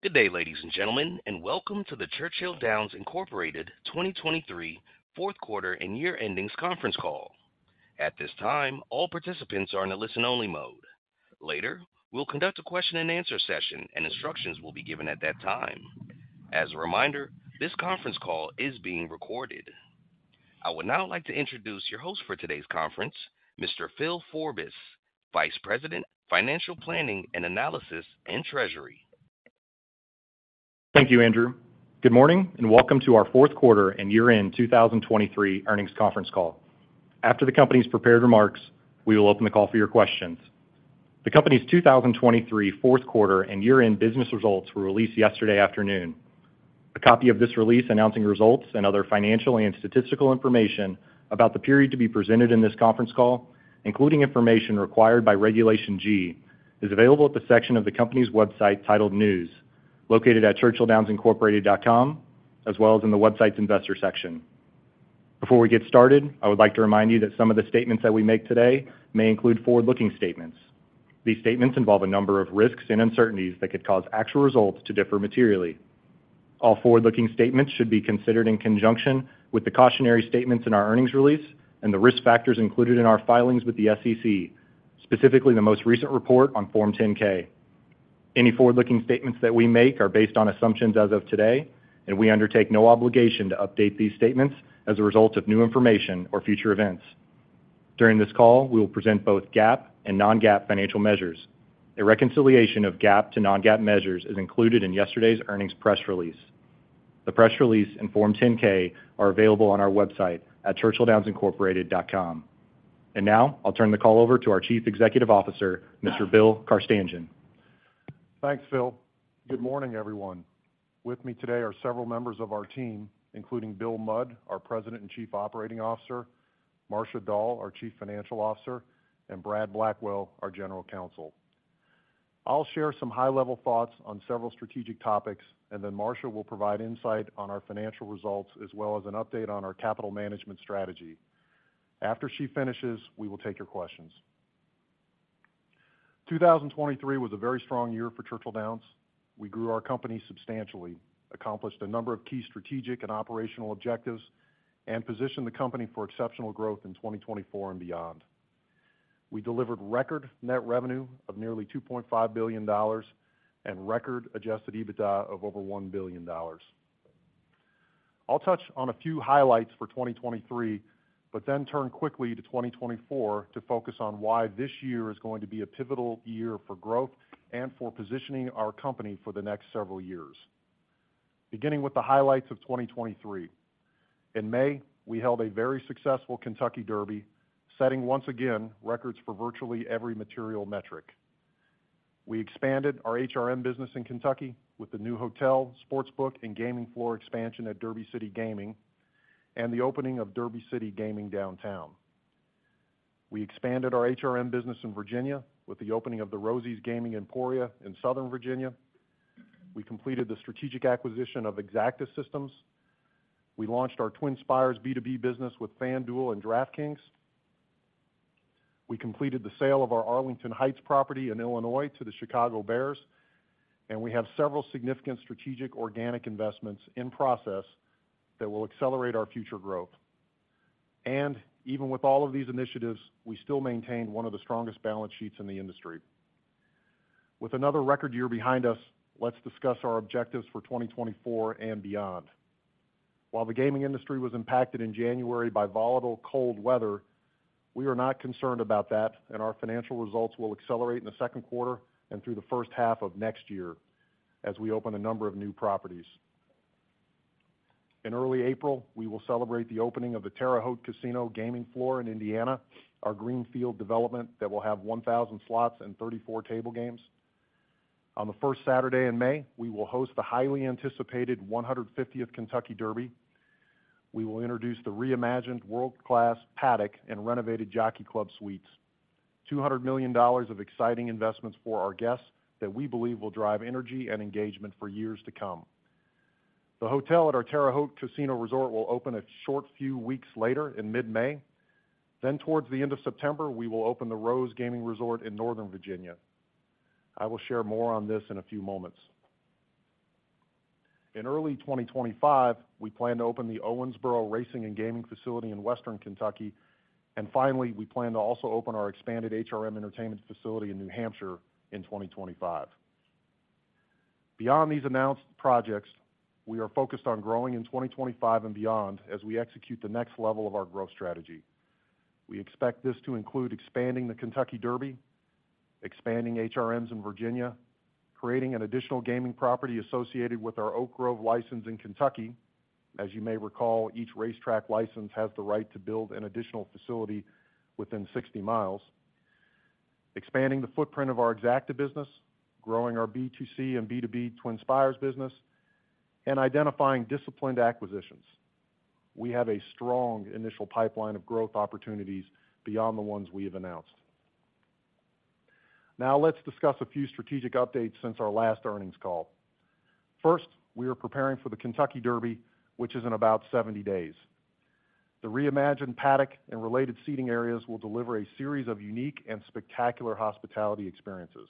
Good day, ladies and gentlemen, and welcome to the Churchill Downs Incorporated 2023 fourth quarter and year-end earnings conference call. At this time, all participants are in a listen-only mode. Later, we'll conduct a Q&A session, and instructions will be given at that time. As a reminder, this conference call is being recorded. I would now like to introduce your host for today's conference, Mr. Phil Forbis, Vice President, Financial Planning and Analysis and Treasury. Thank you, Andrew. Good morning, and welcome to our fourth quarter and year-end 2023 earnings conference call. After the company's prepared remarks, we will open the call for your questions. The company's 2023 fourth quarter and year-end business results were released yesterday afternoon. A copy of this release announcing results and other financial and statistical information about the period to be presented in this conference call, including information required by Regulation G, is available at the section of the company's website titled News, located at churchilldownsincorporated.com, as well as in the website's investor section. Before we get started, I would like to remind you that some of the statements that we make today may include forward-looking statements. These statements involve a number of risks and uncertainties that could cause actual results to differ materially. All forward-looking statements should be considered in conjunction with the cautionary statements in our earnings release and the risk factors included in our filings with the SEC, specifically the most recent report on Form 10-K. Any forward-looking statements that we make are based on assumptions as of today, and we undertake no obligation to update these statements as a result of new information or future events. During this call, we will present both GAAP and non-GAAP financial measures. A reconciliation of GAAP to non-GAAP measures is included in yesterday's earnings press release. The press release and Form 10-K are available on our website at churchilldownsincorporated.com. And now, I'll turn the call over to our Chief Executive Officer, Mr. Bill Carstanjen. Thanks, Phil. Good morning, everyone. With me today are several members of our team, including Bill Mudd, our President and Chief Operating Officer, Marcia Dall, our Chief Financial Officer, and Brad Blackwell, our General Counsel. I'll share some high-level thoughts on several strategic topics, and then Marcia will provide insight on our financial results, as well as an update on our capital management strategy. After she finishes, we will take your questions. 2023 was a very strong year for Churchill Downs. We grew our company substantially, accomplished a number of key strategic and operational objectives, and positioned the company for exceptional growth in 2024 and beyond. We delivered record net revenue of nearly $2.5 billion, and record adjusted EBITDA of over $1 billion. I'll touch on a few highlights for 2023 but then turn quickly to 2024 to focus on why this year is going to be a pivotal year for growth and for positioning our company for the next several years. Beginning with the highlights of 2023. In May, we held a very successful Kentucky Derby, setting once again, records for virtually every material metric. We expanded our HRM business in Kentucky with the new hotel, sportsbook, and gaming floor expansion at Derby City Gaming, and the opening of Derby City Gaming Downtown. We expanded our HRM business in Virginia with the opening of the Rosie's Gaming Emporium in Southern Virginia. We completed the strategic acquisition of Exacta Systems. We launched our TwinSpires B2B business with FanDuel and DraftKings. We completed the sale of our Arlington Heights property in Illinois to the Chicago Bears, and we have several significant strategic organic investments in process that will accelerate our future growth. Even with all of these initiatives, we still maintain one of the strongest balance sheets in the industry. With another record year behind us, let's discuss our objectives for 2024 and beyond. While the gaming industry was impacted in January by volatile cold weather, we are not concerned about that, and our financial results will accelerate in the second quarter and through the first half of next year as we open a number of new properties. In early April, we will celebrate the opening of the Terre Haute Casino gaming floor in Indiana, our greenfield development that will have 1,000 slots and 34 table games. On the first Saturday in May, we will host the highly anticipated 150th Kentucky Derby. We will introduce the reimagined world-class Paddock and renovated Jockey Club Suites. $200 million of exciting investments for our guests, that we believe will drive energy and engagement for years to come. The hotel at our Terre Haute Casino Resort will open a short few weeks later in mid-May. Then towards the end of September, we will open The Rose Gaming Resort in Northern Virginia. I will share more on this in a few moments. In early 2025, we plan to open the Owensboro Racing and Gaming facility in Western Kentucky, and finally, we plan to also open our expanded HRM Entertainment facility in New Hampshire in 2025. Beyond these announced projects, we are focused on growing in 2025 and beyond as we execute the next level of our growth strategy. We expect this to include expanding the Kentucky Derby, expanding HRMs in Virginia, creating an additional gaming property associated with our Oak Grove license in Kentucky. As you may recall, each racetrack license has the right to build an additional facility within 60 mi, expanding the footprint of our Exacta business, growing our B2C and B2B TwinSpires business, and identifying disciplined acquisitions. We have a strong initial pipeline of growth opportunities beyond the ones we have announced. Now, let's discuss a few strategic updates since our last earnings call. First, we are preparing for the Kentucky Derby, which is in about 70 days. The reimagined paddock and related seating areas will deliver a series of unique and spectacular hospitality experiences.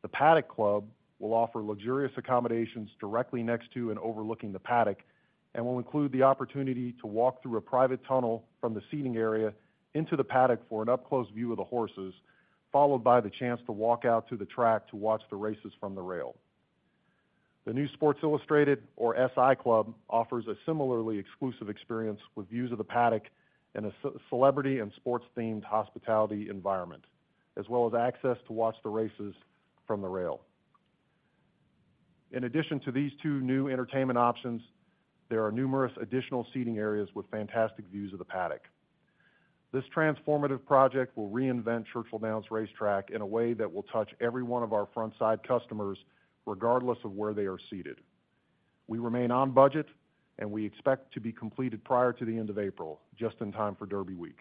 The Paddock Club will offer luxurious accommodations directly next to and overlooking the paddock and will include the opportunity to walk through a private tunnel from the seating area into the paddock for an up-close view of the horses, followed by the chance to walk out to the track to watch the races from the rail. The new Sports Illustrated or SI Club, offers a similarly exclusive experience with views of the paddock and a celebrity and sports-themed hospitality environment, as well as access to watch the races from the rail. In addition to these two new entertainment options, there are numerous additional seating areas with fantastic views of the paddock. This transformative project will reinvent Churchill Downs Racetrack in a way that will touch every one of our front side customers, regardless of where they are seated. We remain on budget, and we expect to be completed prior to the end of April, just in time for Derby Week.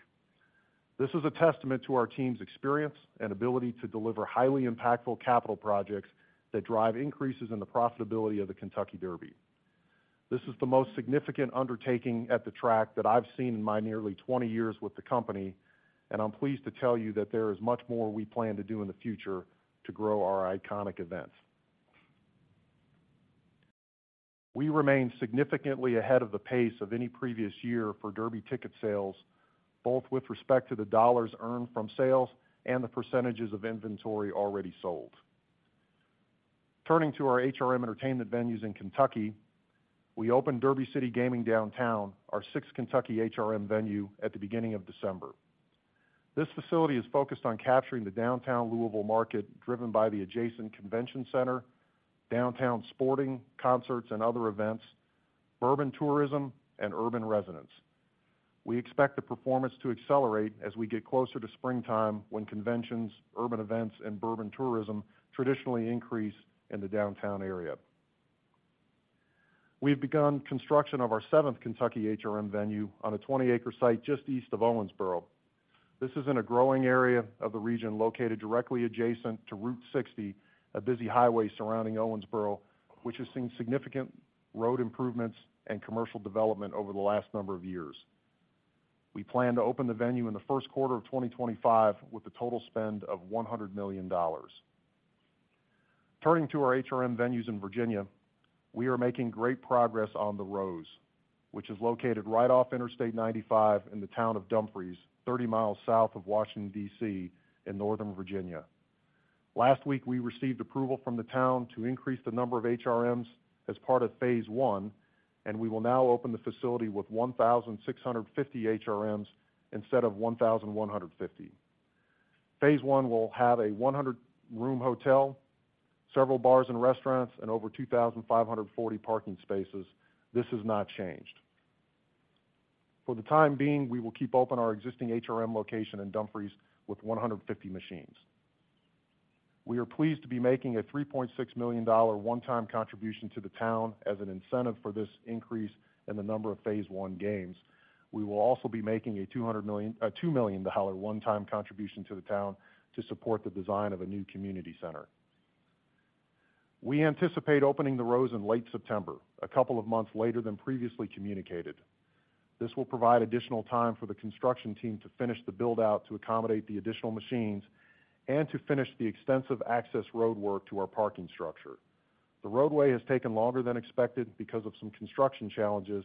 This is a testament to our team's experience and ability to deliver highly impactful capital projects that drive increases in the profitability of the Kentucky Derby. This is the most significant undertaking at the track that I've seen in my nearly 20 years with the company, and I'm pleased to tell you that there is much more we plan to do in the future to grow our iconic events. We remain significantly ahead of the pace of any previous year for Derby ticket sales, both with respect to the dollars earned from sales and the percentages of inventory already sold. Turning to our HRM entertainment venues in Kentucky, we opened Derby City Gaming Downtown, our sixth Kentucky HRM venue, at the beginning of December. This facility is focused on capturing the downtown Louisville market, driven by the adjacent convention center, downtown sporting, concerts, and other events, bourbon tourism, and urban residents. We expect the performance to accelerate as we get closer to springtime, when conventions, urban events, and bourbon tourism traditionally increase in the downtown area. We've begun construction of our seventh Kentucky HRM venue on a 20-acre site just east of Owensboro. This is in a growing area of the region, located directly adjacent to Route 60, a busy highway surrounding Owensboro, which has seen significant road improvements and commercial development over the last number of years. We plan to open the venue in the first quarter of 2025, with a total spend of $100 million. Turning to our HRM venues in Virginia, we are making great progress on The Rose, which is located right off Interstate 95 in the town of Dumfries, 30 mi south of Washington, D.C., in Northern Virginia. Last week, we received approval from the town to increase the number of HRMs as part of Phase One, and we will now open the facility with 1,650 HRMs instead of 1,150. Phase One will have a 100-room hotel, several bars and restaurants, and over 2,540 parking spaces. This has not changed. For the time being, we will keep open our existing HRM location in Dumfries with 150 machines. We are pleased to be making a $3.6 million one-time contribution to the town as an incentive for this increase in the number of Phase One games. We will also be making a $200 million-- a $2 million one-time contribution to the town to support the design of a new community center. We anticipate opening The Rose in late September, a couple of months later than previously communicated. This will provide additional time for the construction team to finish the build-out to accommodate the additional machines and to finish the extensive access roadwork to our parking structure. The roadway has taken longer than expected because of some construction challenges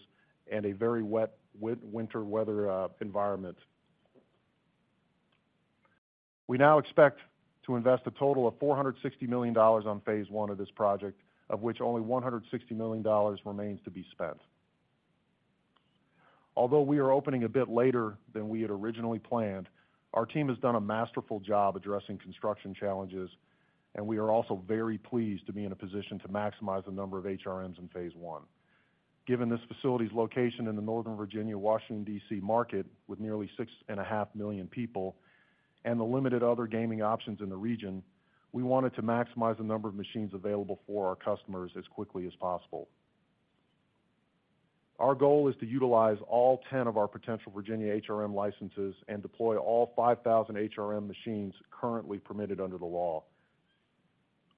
and a very wet winter weather environment. We now expect to invest a total of $460 million on Phase One of this project, of which only $160 million remains to be spent. Although we are opening a bit later than we had originally planned, our team has done a masterful job addressing construction challenges, and we are also very pleased to be in a position to maximize the number of HRMs in Phase One. Given this facility's location in the Northern Virginia, Washington, D.C. market, with nearly 6.5 million people, and the limited other gaming options in the region, we wanted to maximize the number of machines available for our customers as quickly as possible. Our goal is to utilize all 10 of our potential Virginia HRM licenses and deploy all 5,000 HRM machines currently permitted under the law.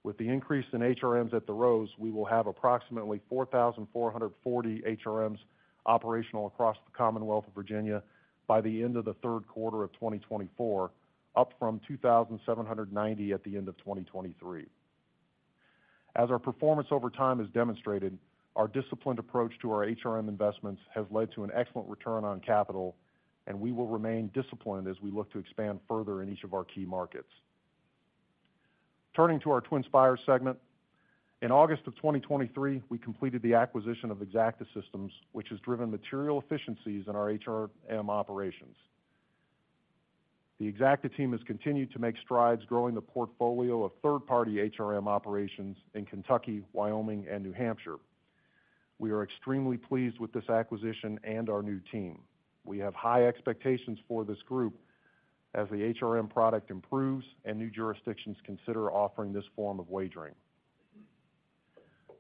With the increase in HRMs at The Rose, we will have approximately 4,440 HRMs operational across the Commonwealth of Virginia by the end of the third quarter of 2024, up from 2,790 at the end of 2023. As our performance over time has demonstrated, our disciplined approach to our HRM investments has led to an excellent return on capital, and we will remain disciplined as we look to expand further in each of our key markets. Turning to our TwinSpires segment. In August of 2023, we completed the acquisition of Exacta Systems, which has driven material efficiencies in our HRM operations. The Exacta team has continued to make strides growing the portfolio of third-party HRM operations in Kentucky, Wyoming, and New Hampshire. We are extremely pleased with this acquisition and our new team. We have high expectations for this group as the HRM product improves and new jurisdictions consider offering this form of wagering.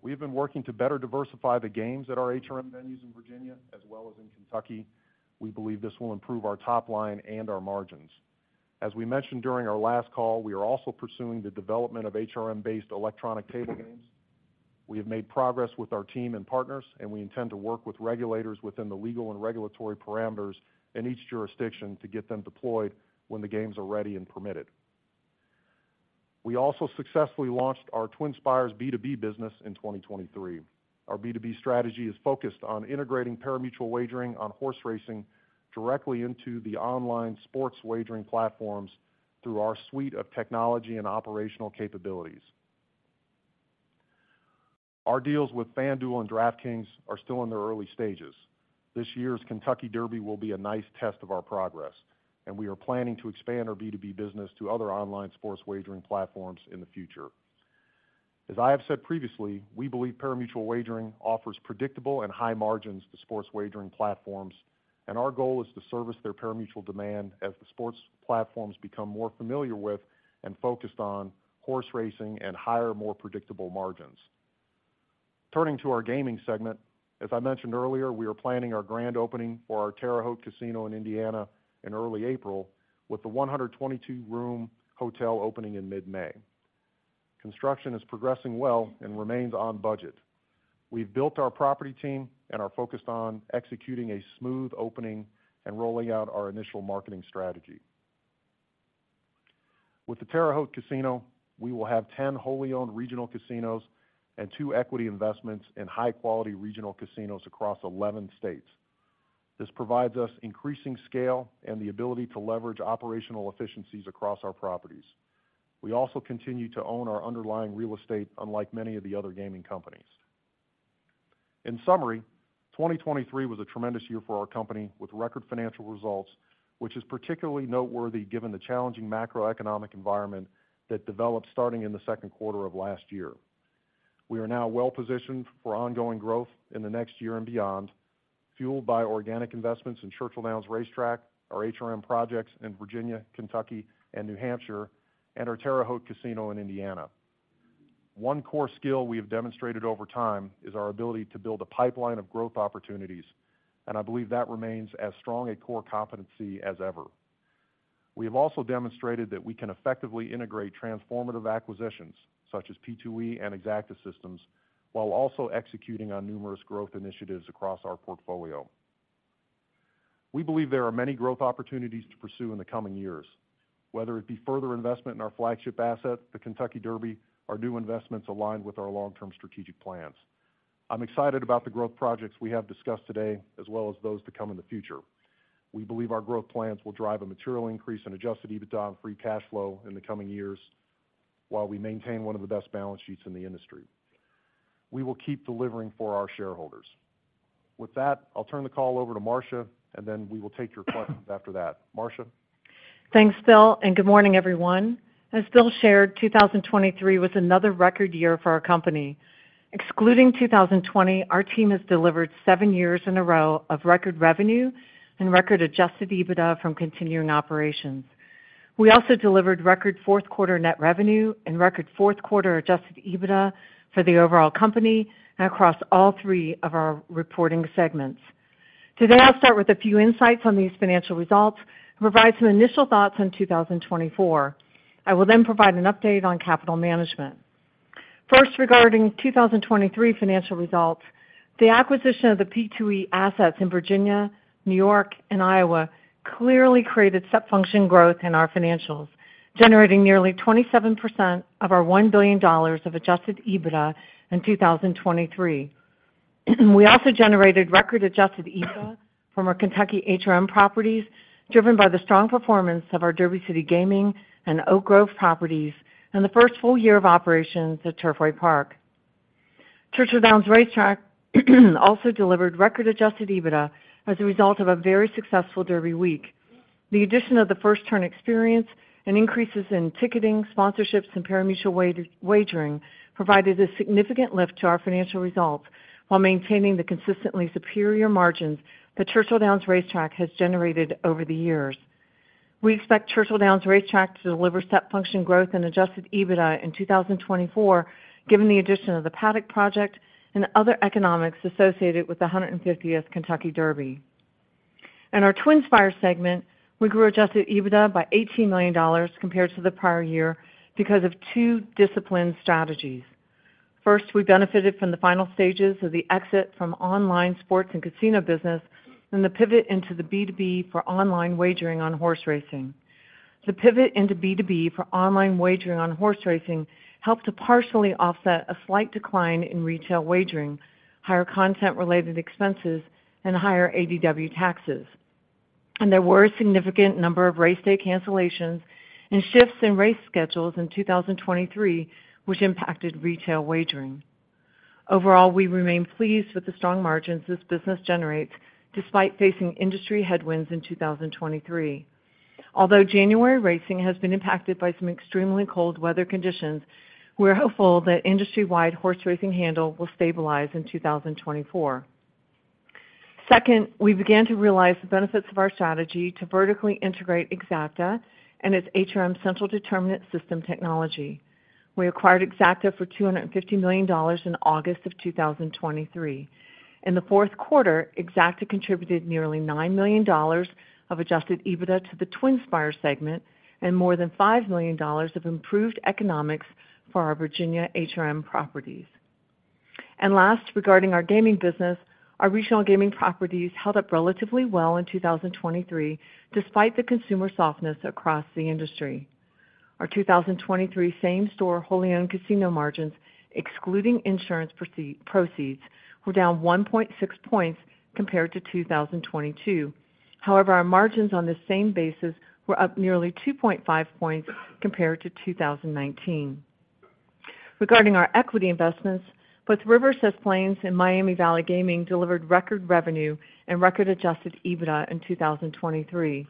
We have been working to better diversify the games at our HRM venues in Virginia, as well as in Kentucky. We believe this will improve our top line and our margins. As we mentioned during our last call, we are also pursuing the development of HRM-based electronic table games. We have made progress with our team and partners, and we intend to work with regulators within the legal and regulatory parameters in each jurisdiction to get them deployed when the games are ready and permitted. We also successfully launched our TwinSpires B2B business in 2023. Our B2B strategy is focused on integrating pari-mutuel wagering on horse racing directly into the online sports wagering platforms through our suite of technology and operational capabilities. Our deals with FanDuel and DraftKings are still in their early stages. This year's Kentucky Derby will be a nice test of our progress, and we are planning to expand our B2B business to other online sports wagering platforms in the future. As I have said previously, we believe pari-mutuel wagering offers predictable and high margins to sports wagering platforms, and our goal is to service their pari-mutuel demand as the sports platforms become more familiar with and focused on horse racing and higher, more predictable margins. Turning to our gaming segment, as I mentioned earlier, we are planning our grand opening for our Terre Haute Casino in Indiana in early April, with the 122-room hotel opening in mid-May. Construction is progressing well and remains on budget. We've built our property team and are focused on executing a smooth opening and rolling out our initial marketing strategy. With the Terre Haute Casino, we will have 10 wholly owned regional casinos and two equity investments in high-quality regional casinos across 11 states. This provides us increasing scale and the ability to leverage operational efficiencies across our properties. We also continue to own our underlying real estate, unlike many of the other gaming companies. In summary, 2023 was a tremendous year for our company, with record financial results, which is particularly noteworthy given the challenging macroeconomic environment that developed starting in the second quarter of last year. We are now well-positioned for ongoing growth in the next year and beyond, fueled by organic investments in Churchill Downs Racetrack, our HRM projects in Virginia, Kentucky, and New Hampshire, and our Terre Haute Casino in Indiana. One core skill we have demonstrated over time is our ability to build a pipeline of growth opportunities, and I believe that remains as strong a core competency as ever. We have also demonstrated that we can effectively integrate transformative acquisitions, such as P2E and Exacta Systems, while also executing on numerous growth initiatives across our portfolio. We believe there are many growth opportunities to pursue in the coming years, whether it be further investment in our flagship asset, the Kentucky Derby, our new investments aligned with our long-term strategic plans. I'm excited about the growth projects we have discussed today, as well as those to come in the future. We believe our growth plans will drive a material increase in adjusted EBITDA and Free Cash Flow in the coming years, while we maintain one of the best balance sheets in the industry. We will keep delivering for our shareholders. With that, I'll turn the call over to Marcia, and then we will take your questions after that. Marcia? Thanks, Bill, and good morning, everyone. As Bill shared, 2023 was another record year for our company. Excluding 2020, our team has delivered seven years in a row of record revenue and record adjusted EBITDA from continuing operations. We also delivered record fourth quarter net revenue and record fourth quarter adjusted EBITDA for the overall company and across all three of our reporting segments. Today, I'll start with a few insights on these financial results and provide some initial thoughts on 2024. I will then provide an update on capital management. First, regarding 2023 financial results, the acquisition of the P2E assets in Virginia, New York, and Iowa clearly created step function growth in our financials, generating nearly 27% of our $1 billion of adjusted EBITDA in 2023. We also generated record adjusted EBITDA from our Kentucky HRM properties, driven by the strong performance of our Derby City Gaming and Oak Grove properties, and the first full year of operations at Turfway Park. Churchill Downs Racetrack also delivered record adjusted EBITDA as a result of a very successful Derby Week. The addition of the First Turn Experience and increases in ticketing, sponsorships, and pari-mutuel wagering provided a significant lift to our financial results while maintaining the consistently superior margins that Churchill Downs Racetrack has generated over the years. We expect Churchill Downs Racetrack to deliver step function growth and adjusted EBITDA in 2024, given the addition of the Paddock project and other economics associated with the 150th Kentucky Derby. In our TwinSpires segment, we grew adjusted EBITDA by $80 million compared to the prior year because of two disciplined strategies. First, we benefited from the final stages of the exit from online sports and casino business, and the pivot into the B2B for online wagering on horse racing. The pivot into B2B for online wagering on horse racing helped to partially offset a slight decline in retail wagering, higher content-related expenses, and higher ADW taxes. There were a significant number of race day cancellations and shifts in race schedules in 2023, which impacted retail wagering. Overall, we remain pleased with the strong margins this business generates, despite facing industry headwinds in 2023. Although January racing has been impacted by some extremely cold weather conditions, we're hopeful that industry-wide horse racing handle will stabilize in 2024. Second, we began to realize the benefits of our strategy to vertically integrate Exacta and its HRM central determinant system technology. We acquired Exacta for $250 million in August 2023. In the fourth quarter, Exacta contributed nearly $9 million of adjusted EBITDA to the TwinSpires segment and more than $5 million of improved economics for our Virginia HRM properties. Last, regarding our gaming business, our regional gaming properties held up relatively well in 2023, despite the consumer softness across the industry. Our 2023 same-store wholly owned casino margins, excluding insurance proceeds, were down 1.6 points compared to 2022. However, our margins on the same basis were up nearly 2.5 points compared to 2019. Regarding our equity investments, both Rivers Des Plaines and Miami Valley Gaming delivered record revenue and record adjusted EBITDA in 2023.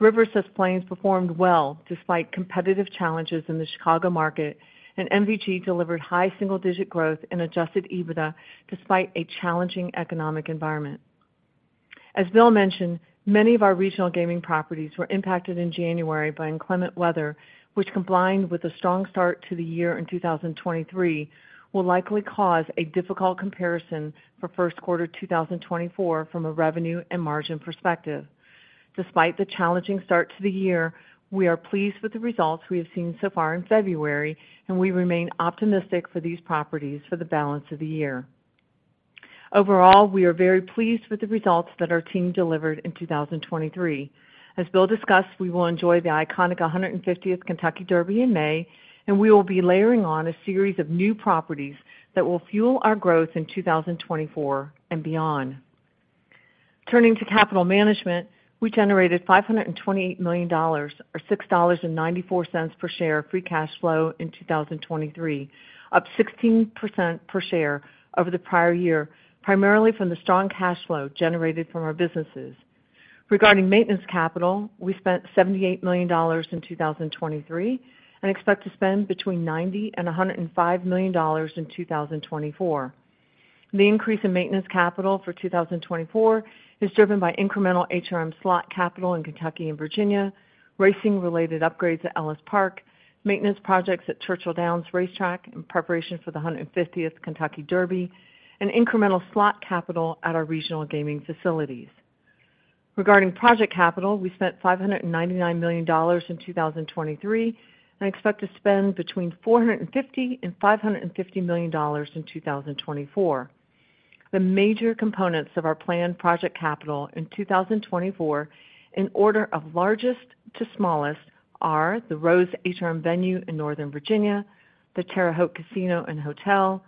Rivers Des Plaines performed well despite competitive challenges in the Chicago market, and MVG delivered high single-digit growth in adjusted EBITDA despite a challenging economic environment. As Bill mentioned, many of our regional gaming properties were impacted in January by inclement weather, which, combined with a strong start to the year in 2023, will likely cause a difficult comparison for first quarter 2024 from a revenue and margin perspective. Despite the challenging start to the year, we are pleased with the results we have seen so far in February, and we remain optimistic for these properties for the balance of the year. Overall, we are very pleased with the results that our team delivered in 2023. As Bill discussed, we will enjoy the iconic 150th Kentucky Derby in May, and we will be layering on a series of new properties that will fuel our growth in 2024 and beyond. Turning to capital management, we generated $528 million, or $6.94 per share, Free Cash Flow in 2023, up 16% per share over the prior year, primarily from the strong cash flow generated from our businesses. Regarding maintenance capital, we spent $78 million in 2023 and expect to spend between $90 million and $105 million in 2024. The increase in maintenance capital for 2024 is driven by incremental HRM slot capital in Kentucky and Virginia, racing-related upgrades at Ellis Park, maintenance projects at Churchill Downs Racetrack in preparation for the 150th Kentucky Derby, and incremental slot capital at our regional gaming facilities. Regarding project capital, we spent $599 million in 2023 and expect to spend between $450 million and $550 million in 2024. The major components of our planned project capital in 2024, in order of largest to smallest, are The Rose HRM venue in Northern Virginia, the Terre Haute Casino and Hotel,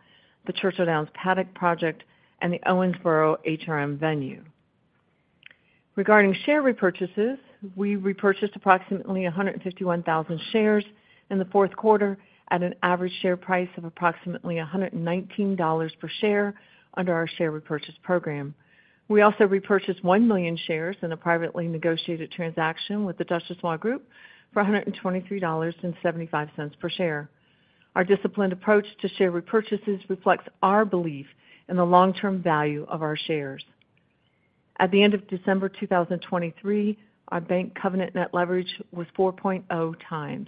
the Churchill Downs Paddock project, and the Owensboro HRM venue. Regarding share repurchases, we repurchased approximately 151,000 shares in the fourth quarter at an average share price of approximately $119 per share under our share repurchase program. We also repurchased $1 million shares in a privately negotiated transaction with The Duchossois Group for $123.75 per share. Our disciplined approach to share repurchases reflects our belief in the long-term value of our shares. At the end of December 2023, our bank covenant net leverage was 4.0x.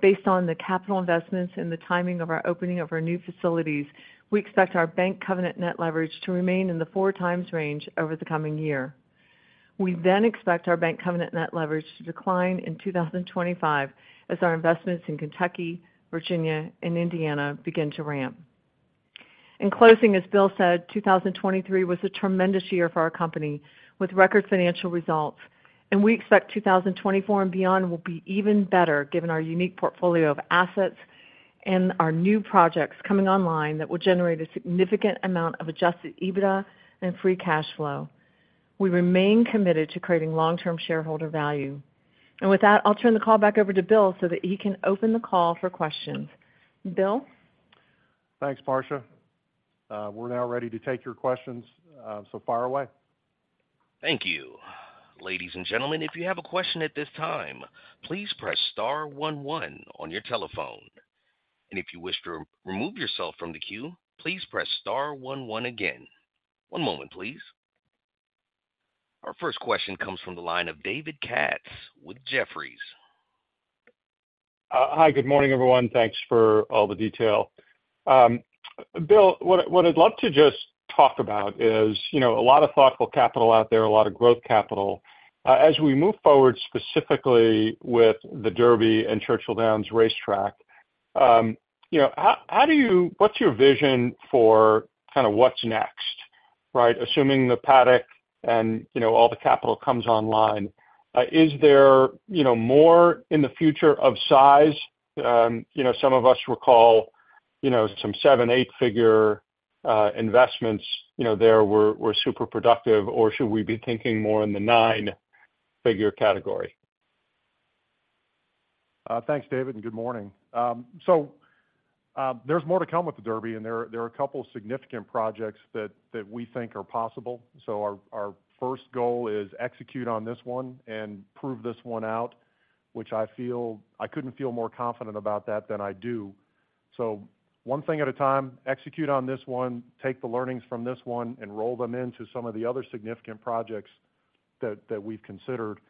Based on the capital investments and the timing of our opening of our new facilities, we expect our bank covenant net leverage to remain in the 4.0x range over the coming year. We then expect our bank covenant net leverage to decline in 2025 as our investments in Kentucky, Virginia, and Indiana begin to ramp. In closing, as Bill said, 2023 was a tremendous year for our company, with record financial results, and we expect 2024 and beyond will be even better, given our unique portfolio of assets and our new projects coming online that will generate a significant amount of adjusted EBITDA and Free Cash Flow. We remain committed to creating long-term shareholder value. And with that, I'll turn the call back over to Bill so that he can open the call for questions. Bill? Thanks, Marcia. We're now ready to take your questions, so fire away. Thank you. Ladies and gentlemen, if you have a question at this time, please press star one one on your telephone. If you wish to remove yourself from the queue, please press star one one again. One moment, please. Our first question comes from the line of David Katz with Jefferies. Hi, good morning, everyone. Thanks for all the detail. Bill, what I'd love to just talk about is, you know, a lot of thoughtful capital out there, a lot of growth capital. As we move forward, specifically with the Derby and Churchill Downs Racetrack, you know, how do you-- what's your vision for kind of what's next, right? Assuming the paddock and, you know, all the capital comes online, is there, you know, more in the future of size? You know, some of us recall, you know, some seven, eight-figure investments, you know, there were super productive, or should we be thinking more in the nine-figure category? Thanks, David, and good morning. So, there's more to come with the Derby, and there are a couple significant projects that we think are possible. So our first goal is execute on this one and prove this one out, which I feel... I couldn't feel more confident about that than I do. So one thing at a time, execute on this one, take the learnings from this one, and roll them into some of the other significant projects that we've considered.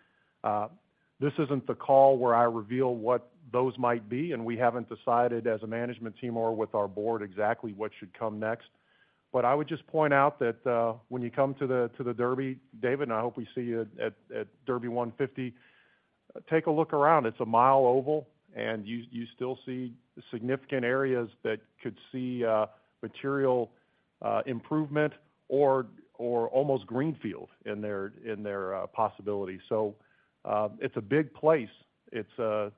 This isn't the call where I reveal what those might be, and we haven't decided as a management team or with our board exactly what should come next. But I would just point out that, when you come to the Derby, David, and I hope we see you at Derby 150,... Take a look around, it's a mile oval, and you still see significant areas that could see material improvement or almost greenfield in their possibility. So, it's a big place. It's,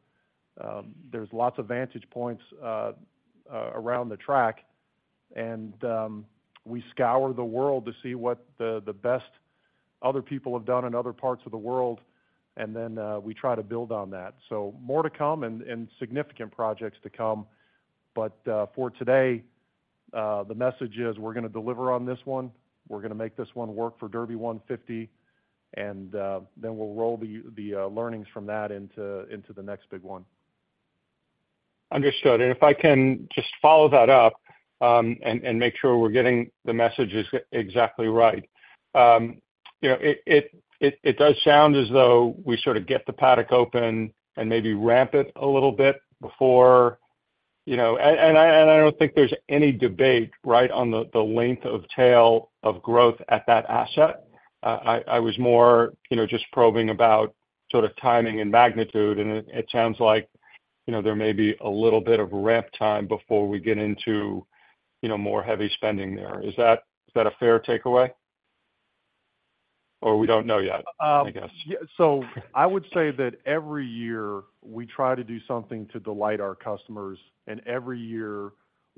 there's lots of vantage points around the track, and we scour the world to see what the best other people have done in other parts of the world, and then we try to build on that. So more to come and significant projects to come. But, for today, the message is we're gonna deliver on this one. We're gonna make this one work for Derby 150, and then we'll roll the learnings from that into the next big one. Understood. And if I can just follow that up, and make sure we're getting the messages exactly right. You know, it does sound as though we sort of get the paddock open and maybe ramp it a little bit before, you know. And I don't think there's any debate, right, on the length of tail of growth at that asset. I was more, you know, just probing about sort of timing and magnitude, and it sounds like, you know, there may be a little bit of ramp time before we get into, you know, more heavy spending there. Is that a fair takeaway? Or we don't know yet, I guess? Yeah, so I would say that every year, we try to do something to delight our customers, and every year,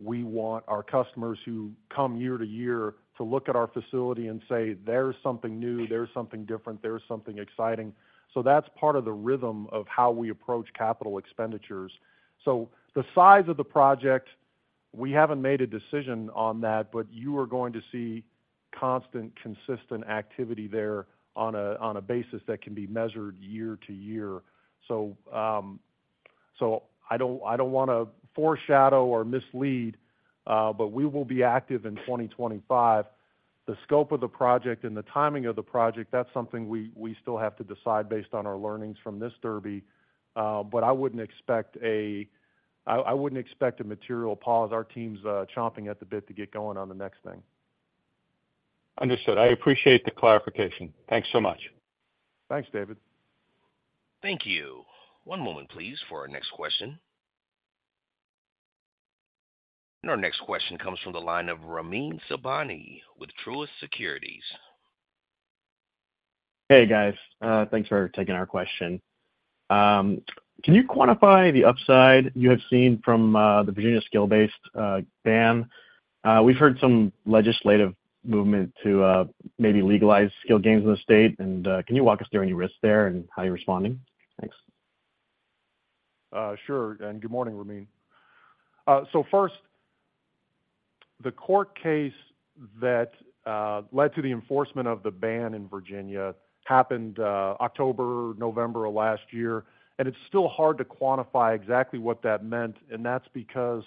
we want our customers who come year-to-year to look at our facility and say, "There's something new, there's something different, there's something exciting." So that's part of the rhythm of how we approach capital expenditures. So the size of the project, we haven't made a decision on that, but you are going to see constant, consistent activity there on a basis that can be measured year-to-year. So, I don't wanna foreshadow or mislead, but we will be active in 2025. The scope of the project and the timing of the project, that's something we still have to decide based on our learnings from this Derby. But I wouldn't expect a material pause. Our team's chomping at the bit to get going on the next thing. Understood. I appreciate the clarification. Thanks so much. Thanks, David. Thank you. One moment, please, for our next question. Our next question comes from the line of Ramin Sobhany with Truist Securities. Hey, guys. Thanks for taking our question. Can you quantify the upside you have seen from the Virginia skill-based ban? We've heard some legislative movement to maybe legalize skill games in the state, and can you walk us through any risks there and how you're responding? Thanks. Sure, and good morning, Ramin. So first, the court case that led to the enforcement of the ban in Virginia happened October, November of last year, and it's still hard to quantify exactly what that meant, and that's because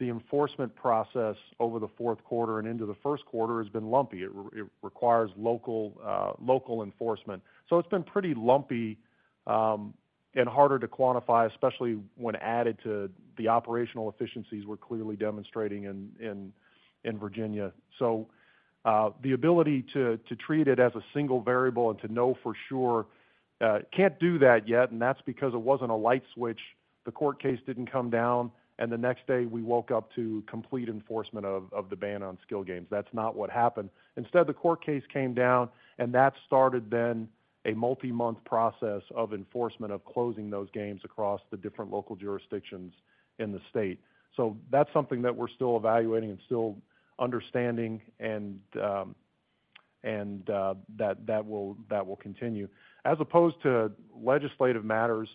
the enforcement process over the fourth quarter and into the first quarter has been lumpy. It requires local, local enforcement. So it's been pretty lumpy, and harder to quantify, especially when added to the operational efficiencies we're clearly demonstrating in Virginia. So, the ability to treat it as a single variable and to know for sure, can't do that yet, and that's because it wasn't a light switch. The court case didn't come down, and the next day, we woke up to complete enforcement of the ban on skill games. That's not what happened. Instead, the court case came down, and that started then a multi-month process of enforcement of closing those games across the different local jurisdictions in the state. So that's something that we're still evaluating and still understanding, and that will continue. As opposed to legislative matters,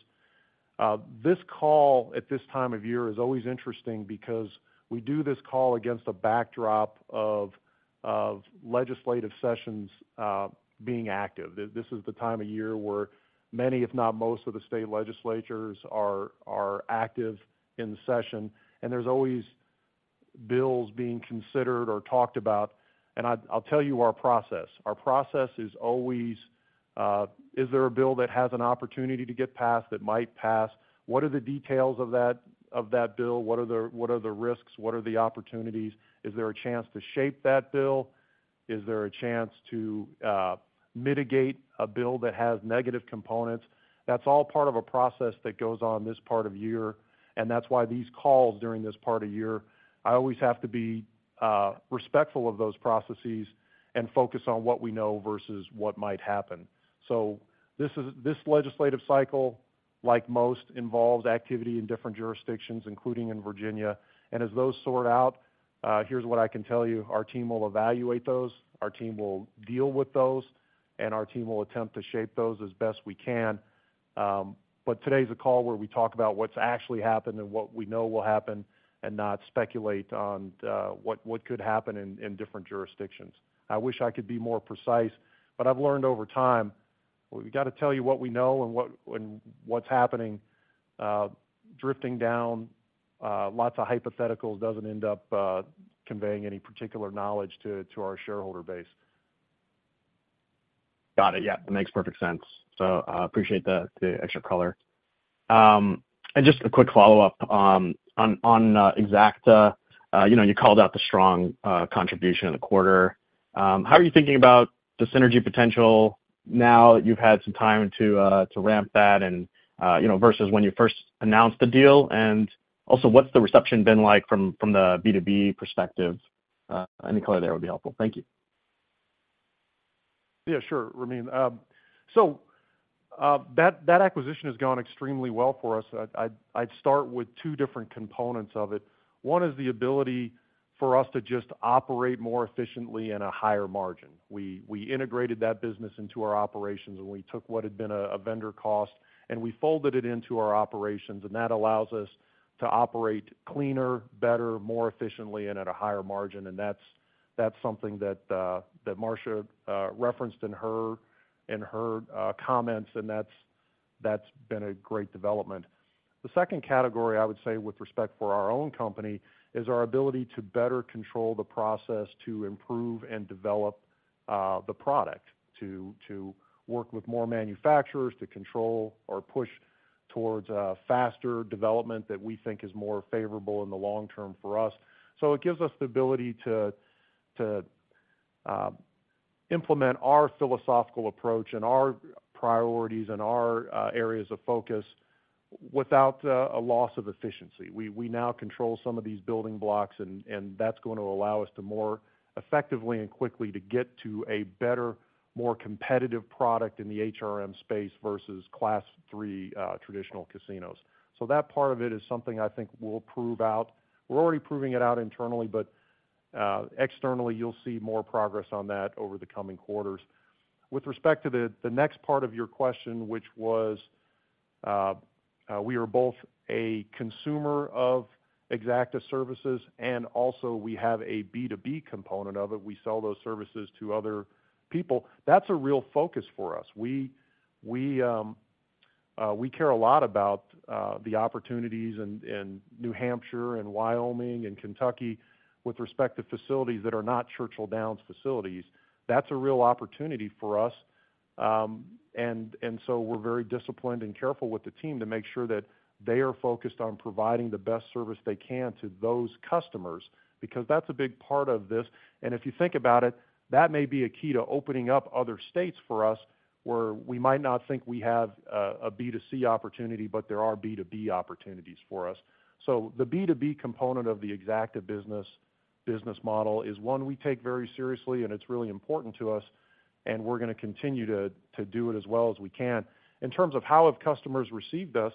this call at this time of year is always interesting because we do this call against a backdrop of legislative sessions being active. This is the time of year where many, if not most, of the state legislatures are active in the session, and there's always bills being considered or talked about. I’ll tell you our process. Our process is always, is there a bill that has an opportunity to get passed, that might pass? What are the details of that bill? What are the, what are the risks? What are the opportunities? Is there a chance to shape that bill? Is there a chance to, mitigate a bill that has negative components? That's all part of a process that goes on this part of year, and that's why these calls during this part of year, I always have to be, respectful of those processes and focus on what we know versus what might happen. So this is, this legislative cycle, like most, involves activity in different jurisdictions, including in Virginia. And as those sort out, here's what I can tell you: Our team will evaluate those, our team will deal with those, and our team will attempt to shape those as best we can. But today's a call where we talk about what's actually happened and what we know will happen, and not speculate on what could happen in different jurisdictions. I wish I could be more precise, but I've learned over time, we've got to tell you what we know and what's happening. Drifting down lots of hypotheticals doesn't end up conveying any particular knowledge to our shareholder base. Got it. Yeah, that makes perfect sense. So, I appreciate the extra color... And just a quick follow-up on Exacta. You know, you called out the strong contribution in the quarter. How are you thinking about the synergy potential now that you've had some time to ramp that and, you know, versus when you first announced the deal? And also, what's the reception been like from the B2B perspective? Any color there would be helpful. Thank you. Yeah, sure, Ramin. So, that acquisition has gone extremely well for us. I'd start with two different components of it. One is the ability for us to just operate more efficiently at a higher margin. We integrated that business into our operations, and we took what had been a vendor cost, and we folded it into our operations, and that allows us to operate cleaner, better, more efficiently, and at a higher margin. And that's something that Marcia referenced in her comments, and that's been a great development. The second category, I would say, with respect for our own company, is our ability to better control the process to improve and develop the product. To work with more manufacturers, to control or push towards faster development that we think is more favorable in the long term for us. So it gives us the ability to implement our philosophical approach and our priorities and our areas of focus without a loss of efficiency. We now control some of these building blocks, and that's going to allow us to more effectively and quickly get to a better, more competitive product in the HRM space versus Class III traditional casinos. So that part of it is something I think we'll prove out. We're already proving it out internally, but externally, you'll see more progress on that over the coming quarters. With respect to the next part of your question, which was, we are both a consumer of Exacta services and also we have a B2B component of it. We sell those services to other people. That's a real focus for us. We care a lot about the opportunities in New Hampshire and Wyoming and Kentucky with respect to facilities that are not Churchill Downs facilities. That's a real opportunity for us. And so we're very disciplined and careful with the team to make sure that they are focused on providing the best service they can to those customers, because that's a big part of this. If you think about it, that may be a key to opening up other states for us, where we might not think we have a B2C opportunity, but there are B2B opportunities for us. The B2B component of the Exacta business model is one we take very seriously, and it's really important to us, and we're gonna continue to do it as well as we can. In terms of how have customers received us,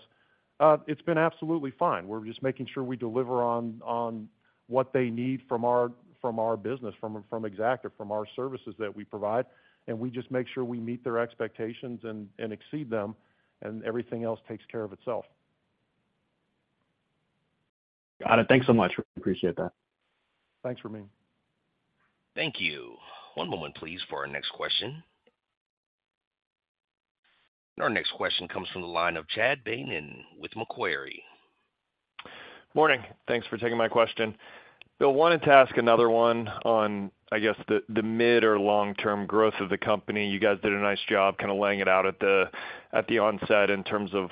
it's been absolutely fine. We're just making sure we deliver on what they need from our business, from Exacta, from our services that we provide, and we just make sure we meet their expectations and exceed them, and everything else takes care of itself. Got it. Thanks so much. Appreciate that. Thanks, Ramin. Thank you. One moment, please, for our next question. Our next question comes from the line of Chad Beynon with Macquarie. Morning. Thanks for taking my question. Bill, wanted to ask another one on, I guess, the mid or long-term growth of the company. You guys did a nice job kind of laying it out at the onset in terms of,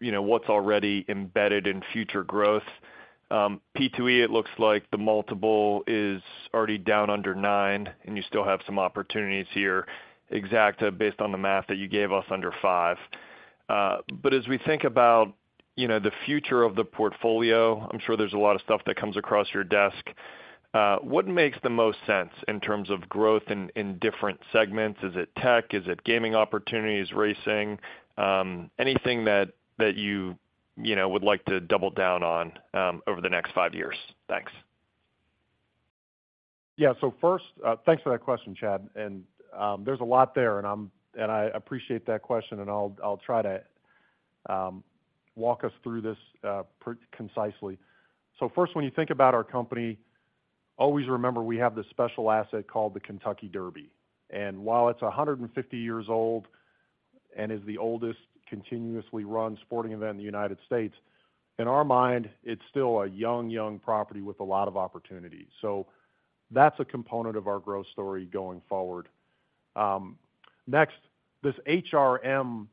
you know, what's already embedded in future growth. P2E, it looks like the multiple is already down under nine, and you still have some opportunities here. Exacta, based on the math that you gave us, under five. But as we think about, you know, the future of the portfolio, I'm sure there's a lot of stuff that comes across your desk, what makes the most sense in terms of growth in different segments? Is it tech? Is it gaming opportunities, racing? Anything that you, you know, would like to double down on, over the next five years? Thanks. Yeah. So first, thanks for that question, Chad. And, there's a lot there, and I appreciate that question, and I'll try to walk us through this concisely. So first, when you think about our company, always remember we have this special asset called the Kentucky Derby, and while it's 150 years old and is the oldest continuously run sporting event in the United States, in our mind, it's still a young, young property with a lot of opportunities. So that's a component of our growth story going forward. Next, this HRM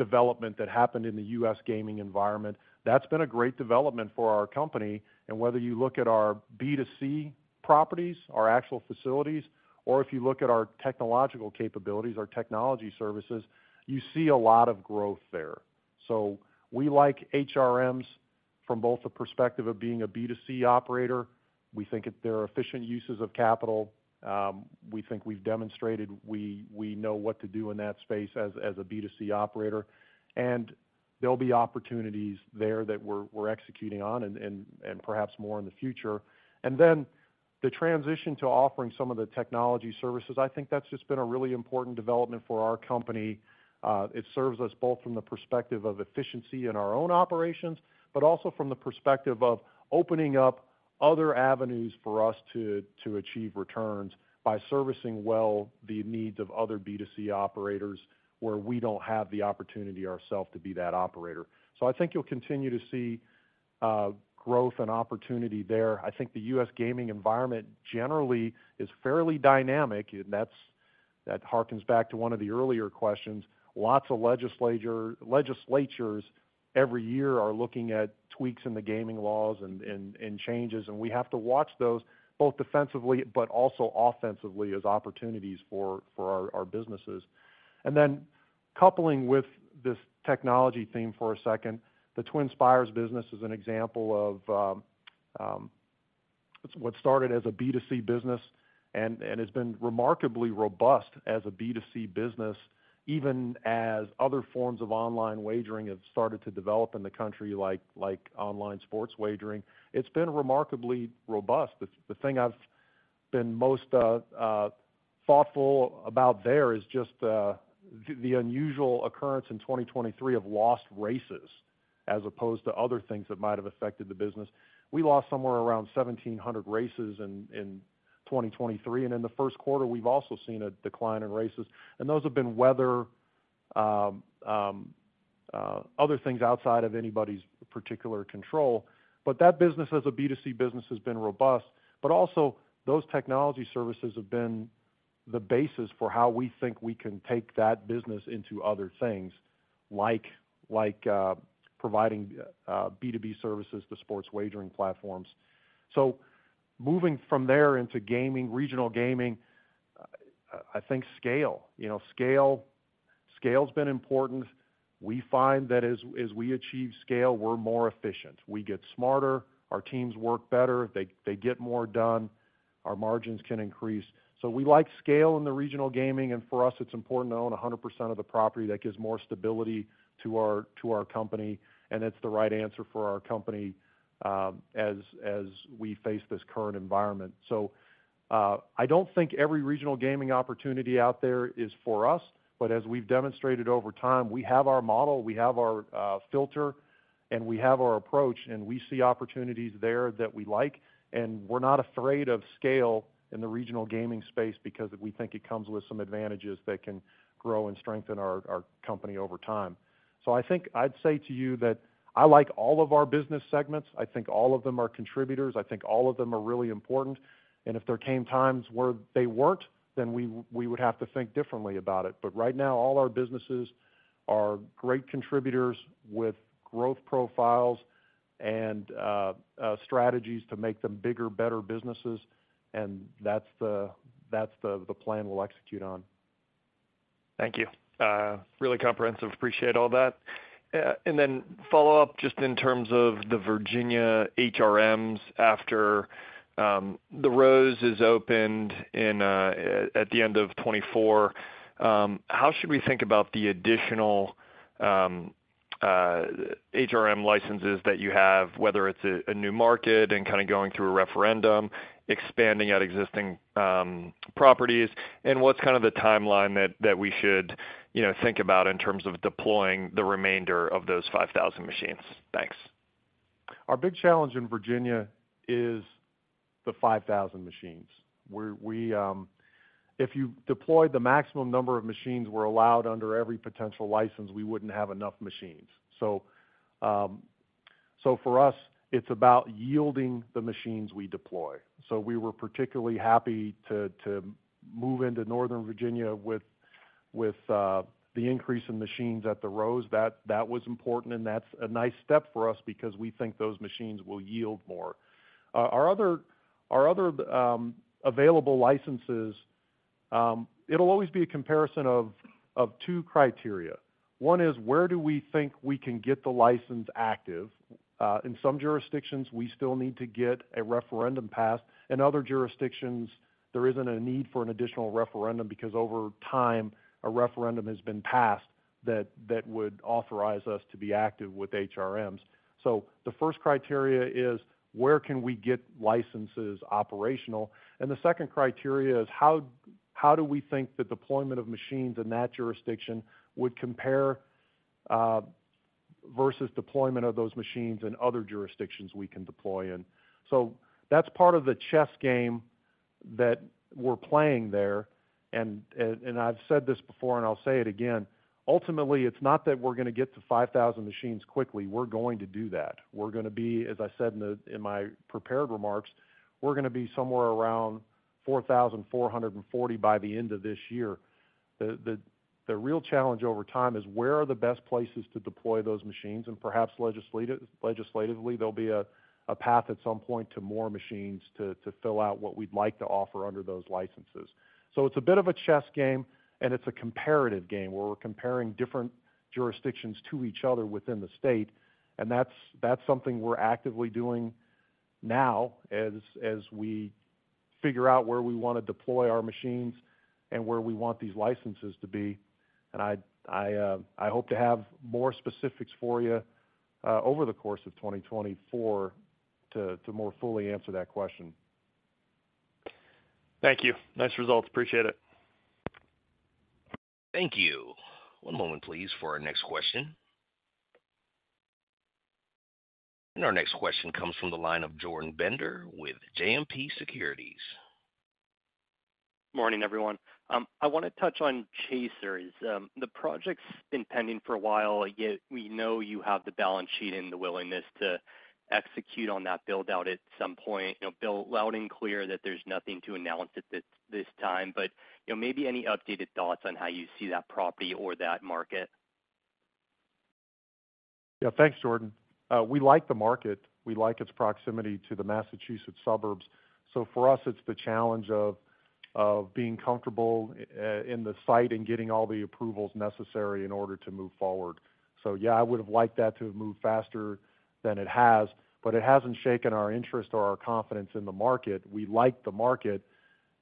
development that happened in the U.S. gaming environment, that's been a great development for our company. And whether you look at our B2C properties, our actual facilities, or if you look at our technological capabilities, our technology services, you see a lot of growth there. So we like HRMs from both the perspective of being a B2C operator. We think that they're efficient uses of capital. We think we've demonstrated we know what to do in that space as a B2C operator, and there'll be opportunities there that we're executing on and perhaps more in the future. And then the transition to offering some of the technology services, I think that's just been a really important development for our company. It serves us both from the perspective of efficiency in our own operations, but also from the perspective of opening up other avenues for us to achieve returns by servicing well the needs of other B2C operators, where we don't have the opportunity ourselves to be that operator. So I think you'll continue to see growth and opportunity there. I think the U.S. gaming environment generally is fairly dynamic, and that's. That harkens back to one of the earlier questions. Lots of legislatures every year are looking at tweaks in the gaming laws and changes, and we have to watch those both defensively but also offensively as opportunities for our businesses. And then coupling with this technology theme for a second, the TwinSpires business is an example of what started as a B2C business, and has been remarkably robust as a B2C business, even as other forms of online wagering have started to develop in the country, like, like online sports wagering. It's been remarkably robust. The thing I've been most thoughtful about there is just the unusual occurrence in 2023 of lost races, as opposed to other things that might have affected the business. We lost somewhere around 1,700 races in 2023, and in the first quarter, we've also seen a decline in races, and those have been weather, other things outside of anybody's particular control. But that business as a B2C business has been robust, but also those technology services have been the basis for how we think we can take that business into other things, like providing B2B services to sports wagering platforms. So moving from there into gaming, regional gaming, I think scale. You know, scale, scale's been important. We find that as we achieve scale, we're more efficient. We get smarter, our teams work better, they get more done, our margins can increase. So we like scale in the regional gaming, and for us, it's important to own 100% of the property. That gives more stability to our company, and it's the right answer for our company, as we face this current environment. So, I don't think every regional gaming opportunity out there is for us, but as we've demonstrated over time, we have our model, we have our filter, and we have our approach, and we see opportunities there that we like. And we're not afraid of scale in the regional gaming space because we think it comes with some advantages that can grow and strengthen our company over time. So I think I'd say to you that I like all of our business segments. I think all of them are contributors. I think all of them are really important, and if there came times where they weren't, then we would have to think differently about it. Right now, all our businesses are great contributors with growth profiles and strategies to make them bigger, better businesses, and that's the plan we'll execute on. Thank you. Really comprehensive. Appreciate all that. And then follow up just in terms of the Virginia HRMs after The Rose is opened in at the end of 2024. How should we think about the additional HRM licenses that you have, whether it's a new market and kind of going through a referendum, expanding out existing properties? And what's kind of the timeline that we should, you know, think about in terms of deploying the remainder of those 5,000 machines? Thanks. Our big challenge in Virginia is the 5,000 machines, where we... If you deployed the maximum number of machines we're allowed under every potential license, we wouldn't have enough machines. So, so for us, it's about yielding the machines we deploy. So we were particularly happy to, to move into Northern Virginia with, with, the increase in machines at The Rose. That, that was important, and that's a nice step for us because we think those machines will yield more. Our other, our other, available licenses, it'll always be a comparison of, of two criteria. One is, where do we think we can get the license active? In some jurisdictions, we still need to get a referendum passed. In other jurisdictions, there isn't a need for an additional referendum because over time, a referendum has been passed that would authorize us to be active with HRMs. So the first criteria is, where can we get licenses operational? And the second criteria is, how do we think the deployment of machines in that jurisdiction would compare versus deployment of those machines in other jurisdictions we can deploy in? So that's part of the chess game that we're playing there. And I've said this before, and I'll say it again: Ultimately, it's not that we're gonna get to 5,000 machines quickly. We're going to do that. We're gonna be, as I said in my prepared remarks, we're gonna be somewhere around 4,440 by the end of this year. The real challenge over time is where are the best places to deploy those machines, and perhaps legislatively, there'll be a path at some point to more machines to fill out what we'd like to offer under those licenses. So it's a bit of a chess game, and it's a comparative game, where we're comparing different jurisdictions to each other within the state, and that's something we're actively doing now as we figure out where we want to deploy our machines and where we want these licenses to be. And I hope to have more specifics for you over the course of 2024 to more fully answer that question. Thank you. Nice results. Appreciate it. Thank you. One moment, please, for our next question. Our next question comes from the line of Jordan Bender with JMP Securities. Morning, everyone. I want to touch on Chasers. The project's been pending for a while, yet we know you have the balance sheet and the willingness to execute on that build-out at some point. You know, Bill, loud and clear that there's nothing to announce at this time, but, you know, maybe any updated thoughts on how you see that property or that market? Yeah, thanks, Jordan. We like the market. We like its proximity to the Massachusetts suburbs. So for us, it's the challenge of being comfortable in the site and getting all the approvals necessary in order to move forward. So yeah, I would have liked that to have moved faster than it has, but it hasn't shaken our interest or our confidence in the market. We like the market.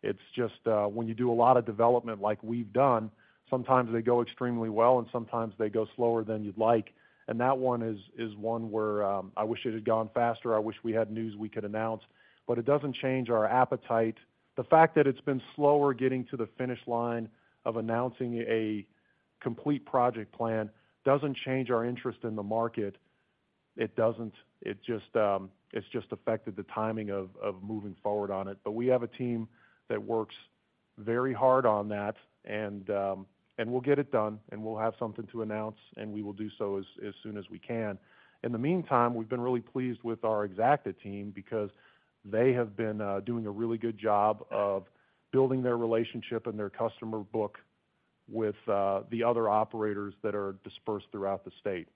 It's just when you do a lot of development like we've done, sometimes they go extremely well, and sometimes they go slower than you'd like. And that one is one where I wish it had gone faster. I wish we had news we could announce, but it doesn't change our appetite. The fact that it's been slower getting to the finish line of announcing a complete project plan doesn't change our interest in the market. It doesn't. It just, it's just affected the timing of moving forward on it. But we have a team that works very hard on that, and we'll get it done, and we'll have something to announce, and we will do so as soon as we can. In the meantime, we've been really pleased with our Exacta team because they have been doing a really good job of building their relationship and their customer book with the other operators that are dispersed throughout the state.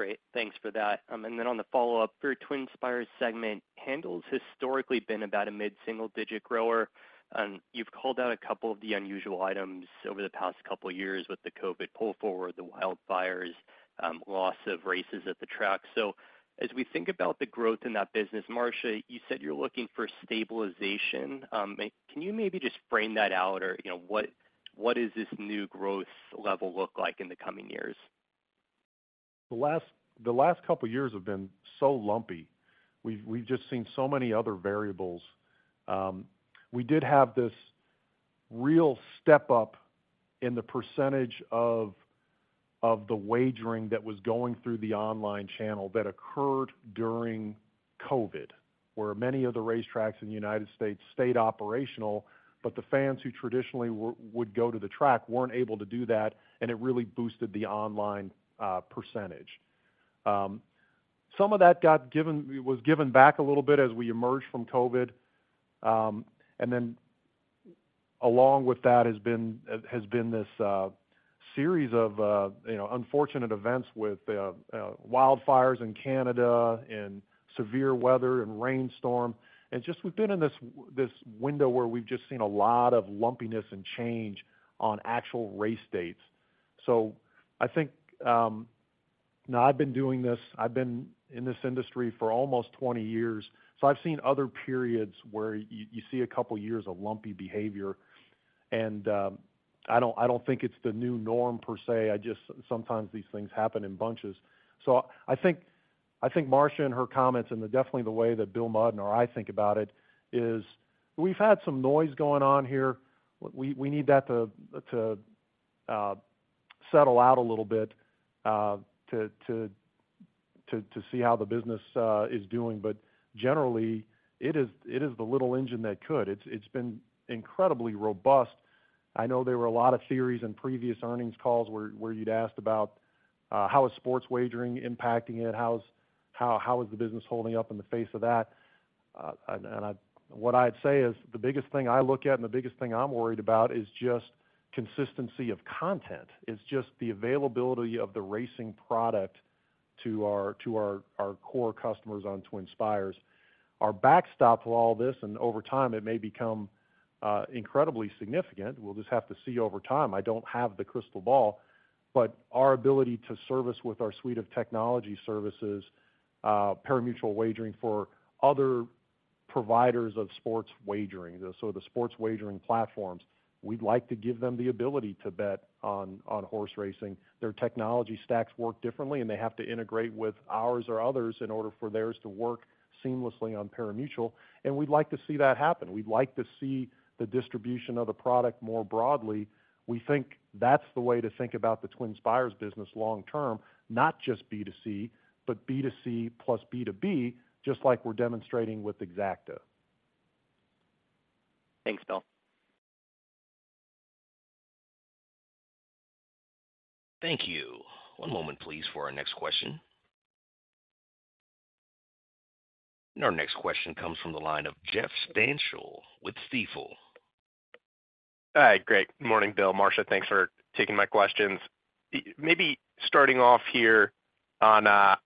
Great. Thanks for that. And then on the follow-up, for your TwinSpires segment, handle's historically been about a mid-single-digit grower. And you've called out a couple of the unusual items over the past couple of years with the COVID pull forward, the wildfires, loss of races at the track. So as we think about the growth in that business, Marcia, you said you're looking for stabilization. Can you maybe just frame that out, or, you know, what, what is this new growth level look like in the coming years? The last couple of years have been so lumpy. We've just seen so many other variables. We did have this real step up in the percentage of the wagering that was going through the online channel that occurred during COVID, where many of the racetracks in the United States stayed operational, but the fans who traditionally would go to the track weren't able to do that, and it really boosted the online percentage. Some of that was given back a little bit as we emerged from COVID. And then along with that has been this series of, you know, unfortunate events with wildfires in Canada and severe weather and rainstorm. And just we've been in this window where we've just seen a lot of lumpiness and change on actual race dates. So I think, now, I've been doing this, I've been in this industry for almost 20 years, so I've seen other periods where you see a couple of years of lumpy behavior, and, I don't, I don't think it's the new norm per se. I just... Sometimes these things happen in bunches. So I think, I think Marcia, in her comments, and definitely the way that Bill Mudd or I think about it, is we've had some noise going on here. We, we need that to settle out a little bit, to see how the business is doing. But generally, it is, it is the little engine that could. It's, it's been incredibly robust. I know there were a lot of theories in previous earnings calls where, where you'd asked about, how is sports wagering impacting it? How is the business holding up in the face of that? What I'd say is, the biggest thing I look at and the biggest thing I'm worried about is just consistency of content. It's just the availability of the racing product to our core customers on TwinSpires. Our backstop to all this, and over time, it may become incredibly significant. We'll just have to see over time. I don't have the crystal ball. But our ability to service with our suite of technology services, pari-mutuel wagering for other providers of sports wagering, so the sports wagering platforms, we'd like to give them the ability to bet on horse racing. Their technology stacks work differently, and they have to integrate with ours or others in order for theirs to work seamlessly on pari-mutuel, and we'd like to see that happen. We'd like to see the distribution of the product more broadly. We think that's the way to think about the TwinSpires business long term, not just B2C, but B2C plus B2B, just like we're demonstrating with Exacta. Thanks, Bill. Thank you. One moment please, for our next question. Our next question comes from the line of Jeff Stantial with Stifel. Hi, great. Good morning, Bill, Marcia, thanks for taking my questions. Maybe starting off here on the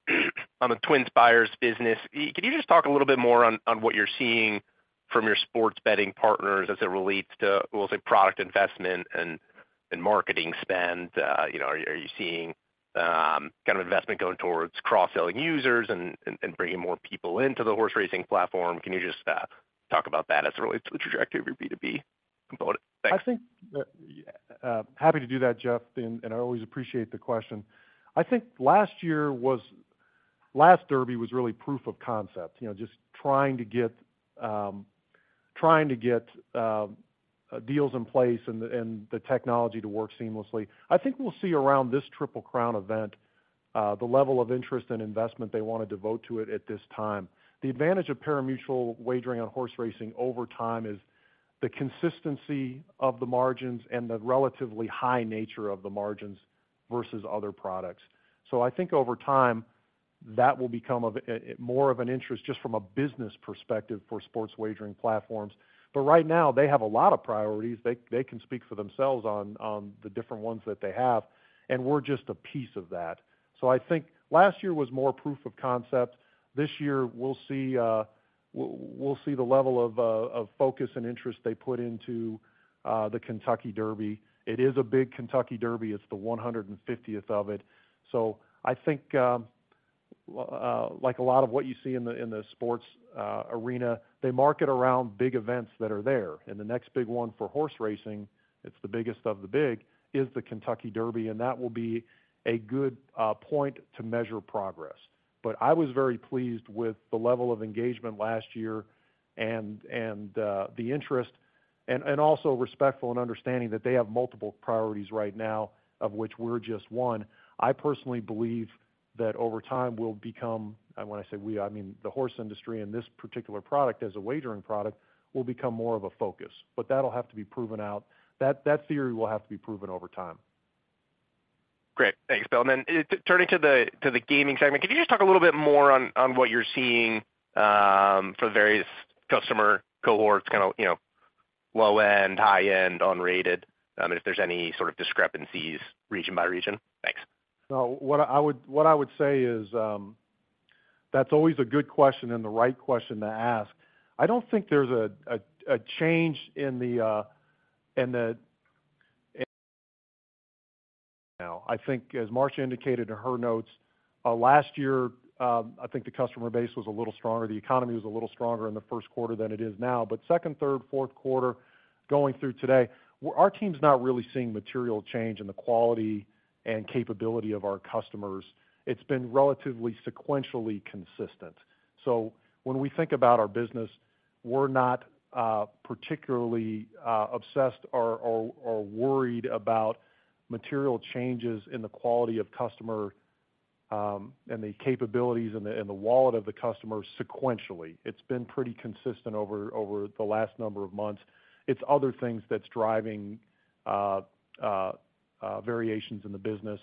TwinSpires business. Could you just talk a little bit more on what you're seeing from your sports betting partners as it relates to, we'll say, product investment and marketing spend? You know, are you seeing kind of investment going towards cross-selling users and bringing more people into the horse racing platform? Can you just talk about that as it relates to the trajectory of your B2B component? Thanks. I think happy to do that, Jeff, and I always appreciate the question. I think last Derby was really proof of concept. You know, just trying to get, trying to get, deals in place and the technology to work seamlessly. I think we'll see around this Triple Crown event the level of interest and investment they want to devote to it at this time. The advantage of pari-mutuel wagering on horse racing over time is the consistency of the margins and the relatively high nature of the margins versus other products. So I think over time that will become of more of an interest just from a business perspective for sports wagering platforms. But right now, they have a lot of priorities. They can speak for themselves on the different ones that they have, and we're just a piece of that. So I think last year was more proof of concept. This year, we'll see the level of focus and interest they put into the Kentucky Derby. It is a big Kentucky Derby. It's the 150th of it. So I think, like a lot of what you see in the sports arena, they market around big events that are there, and the next big one for horse racing, it's the biggest of the big, is the Kentucky Derby, and that will be a good point to measure progress. But I was very pleased with the level of engagement last year and the interest, and also respectful and understanding that they have multiple priorities right now, of which we're just one. I personally believe that over time, we'll become, and when I say we, I mean the horse industry and this particular product as a wagering product, will become more of a focus. But that'll have to be proven out. That theory will have to be proven over time. Great. Thanks, Bill. And then, turning to the gaming segment, can you just talk a little bit more on what you're seeing for various customer cohorts, kind of, you know, low end, high end, unrated, if there's any sort of discrepancies region by region? Thanks. So what I would say is, that's always a good question and the right question to ask. I don't think there's a change. I think, as Marcia indicated in her notes, last year, I think the customer base was a little stronger. The economy was a little stronger in the first quarter than it is now. But second, third, fourth quarter, going through today, our team's not really seeing material change in the quality and capability of our customers. It's been relatively sequentially consistent. So when we think about our business, we're not particularly obsessed or worried about material changes in the quality of customer and the capabilities and the wallet of the customer sequentially. It's been pretty consistent over the last number of months. It's other things that's driving variations in the business.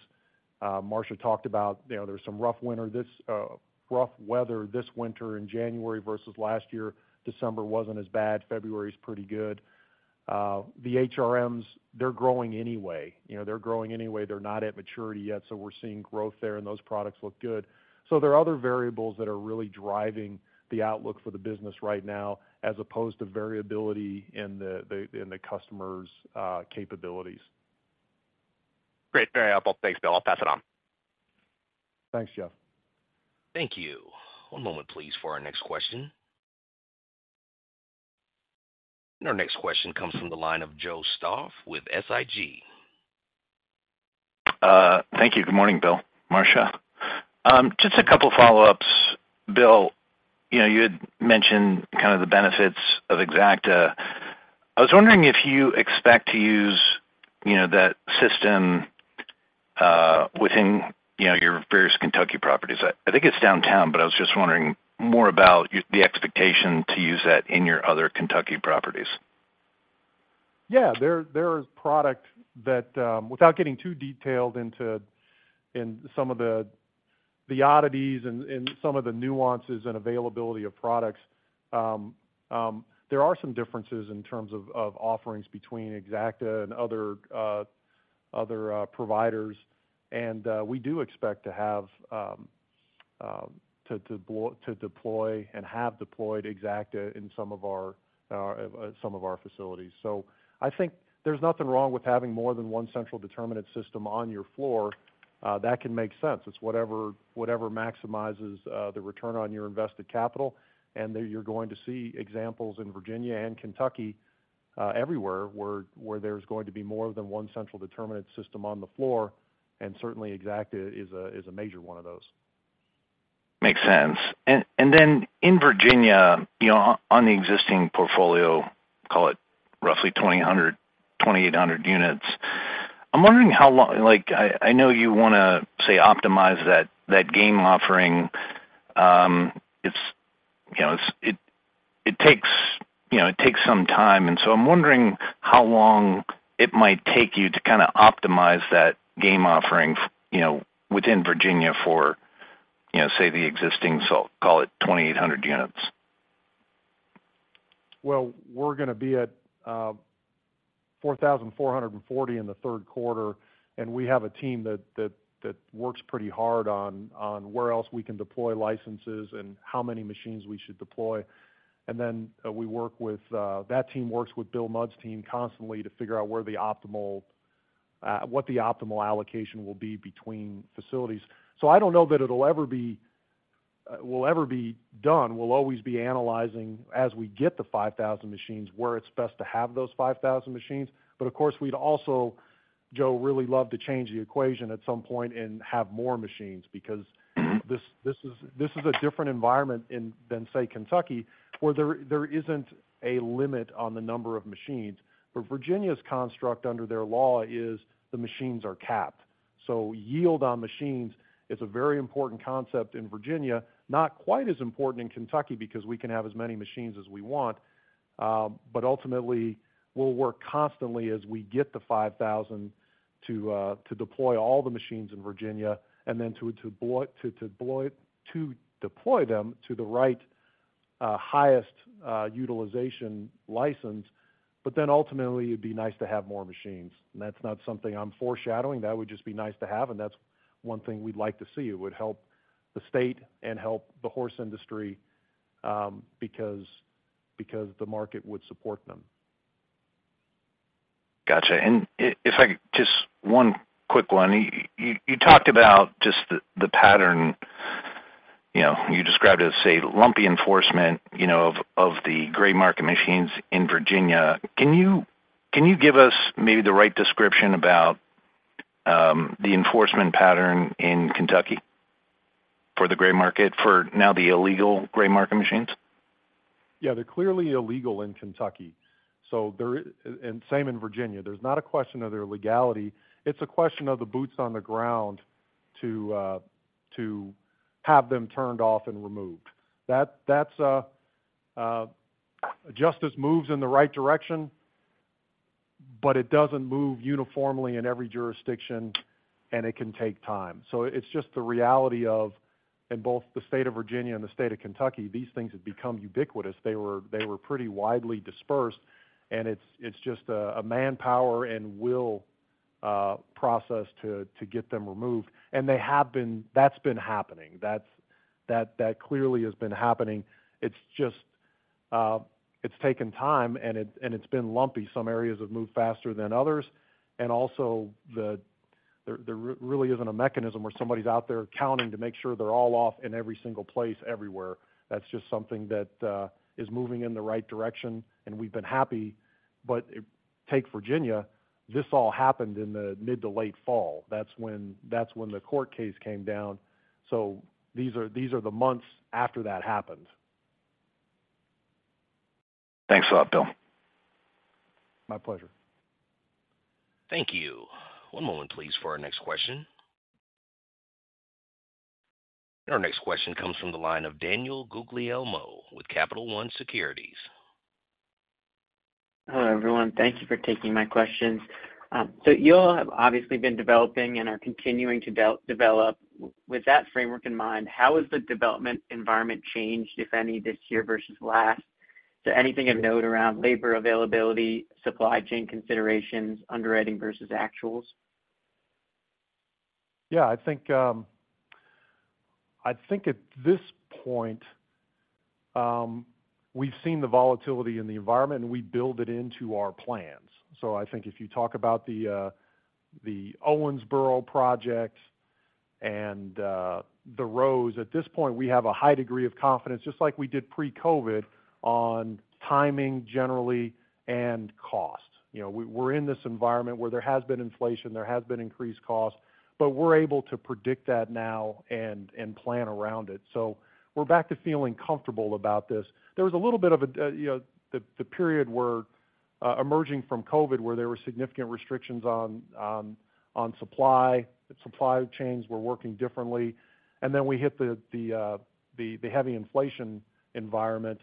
Marcia talked about, you know, there's some rough weather this winter in January versus last year. December wasn't as bad. February is pretty good. The HRMs, they're growing anyway. You know, they're growing anyway, they're not at maturity yet, so we're seeing growth there, and those products look good. So there are other variables that are really driving the outlook for the business right now, as opposed to variability in the customers' capabilities. Great, very helpful. Thanks, Bill. I'll pass it on. Thanks, Jeff. Thank you. One moment, please, for our next question. And our next question comes from the line of Joe Stauff with SIG. Thank you. Good morning, Bill, Marcia. Just a couple follow-ups. Bill, you know, you had mentioned kind of the benefits of Exacta. I was wondering if you expect to use, you know, that system, within, you know, your various Kentucky properties. I think it's downtown, but I was just wondering more about the expectation to use that in your other Kentucky properties. Yeah, there is product that, without getting too detailed into, in some of the oddities and some of the nuances and availability of products, there are some differences in terms of offerings between Exacta and other providers. And we do expect to have to deploy and have deployed Exacta in some of our facilities. So, I think there's nothing wrong with having more than one central determinant system on your floor. That can make sense. It's whatever maximizes the return on your invested capital, and then you're going to see examples in Virginia and Kentucky, everywhere, where there's going to be more than one central determinant system on the floor, and certainly, Exacta is a major one of those. Makes sense. Then in Virginia, you know, on the existing portfolio, call it roughly 2,800 units, I'm wondering how long—like, I know you wanna say optimize that game offering. It's, you know, it takes some time, and so I'm wondering how long it might take you to kinda optimize that game offering, you know, within Virginia for, you know, say, the existing, so call it 2,800 units? Well, we're gonna be at 4,440 in the third quarter, and we have a team that works pretty hard on where else we can deploy licenses and how many machines we should deploy. And then we work with that team works with Bill Mudd's team constantly to figure out where the optimal what the optimal allocation will be between facilities. So I don't know that it'll ever be done. We'll always be analyzing as we get the 5,000 machines, where it's best to have those 5,000 machines. But of course, we'd also, Joe, really love to change the equation at some point and have more machines, because this is a different environment in than, say, Kentucky, where there isn't a limit on the number of machines. But Virginia's construct under their law is the machines are capped. So yield on machines is a very important concept in Virginia, not quite as important in Kentucky, because we can have as many machines as we want. But ultimately, we'll work constantly as we get the 5,000 to deploy all the machines in Virginia and then to deploy them to the right highest utilization license. But then ultimately, it'd be nice to have more machines, and that's not something I'm foreshadowing. That would just be nice to have, and that's one thing we'd like to see. It would help the state and help the horse industry, because the market would support them. Gotcha. And if I could, just one quick one. You talked about just the, the pattern, you know, you described as, say, lumpy enforcement, you know, of, of the gray market machines in Virginia. Can you, can you give us maybe the right description about, the enforcement pattern in Kentucky for the gray market, for now, the illegal gray market machines? Yeah, they're clearly illegal in Kentucky, so there is, and same in Virginia. There's not a question of their legality, it's a question of the boots on the ground to have them turned off and removed. That's justice moves in the right direction, but it doesn't move uniformly in every jurisdiction, and it can take time. So it's just the reality of, in both the state of Virginia and the state of Kentucky, these things have become ubiquitous. They were, they were pretty widely dispersed, and it's just a manpower and will process to get them removed. And they have been... That's been happening. That's clearly been happening. It's just, it's taken time, and it's been lumpy. Some areas have moved faster than others, and also there really isn't a mechanism where somebody's out there counting to make sure they're all off in every single place, everywhere. That's just something that is moving in the right direction, and we've been happy. But take Virginia, this all happened in the mid to late fall. That's when the court case came down, so these are the months after that happened. Thanks a lot, Bill. My pleasure. Thank you. One moment, please, for our next question. Our next question comes from the line of Daniel Guglielmo with Capital One Securities. Hello, everyone. Thank you for taking my questions. So you all have obviously been developing and are continuing to develop. With that framework in mind, how has the development environment changed, if any, this year versus last? So anything of note around labor availability, supply chain considerations, underwriting versus actuals? Yeah, I think, I think at this point, we've seen the volatility in the environment, and we build it into our plans. So I think if you talk about the Owensboro project and The Rose, at this point, we have a high degree of confidence, just like we did pre-COVID, on timing generally and cost. You know, we're in this environment where there has been inflation, there has been increased costs, but we're able to predict that now and plan around it. So we're back to feeling comfortable about this. There was a little bit of a, you know, the period where emerging from COVID, where there were significant restrictions on supply, supply chains were working differently, and then we hit the heavy inflation environment.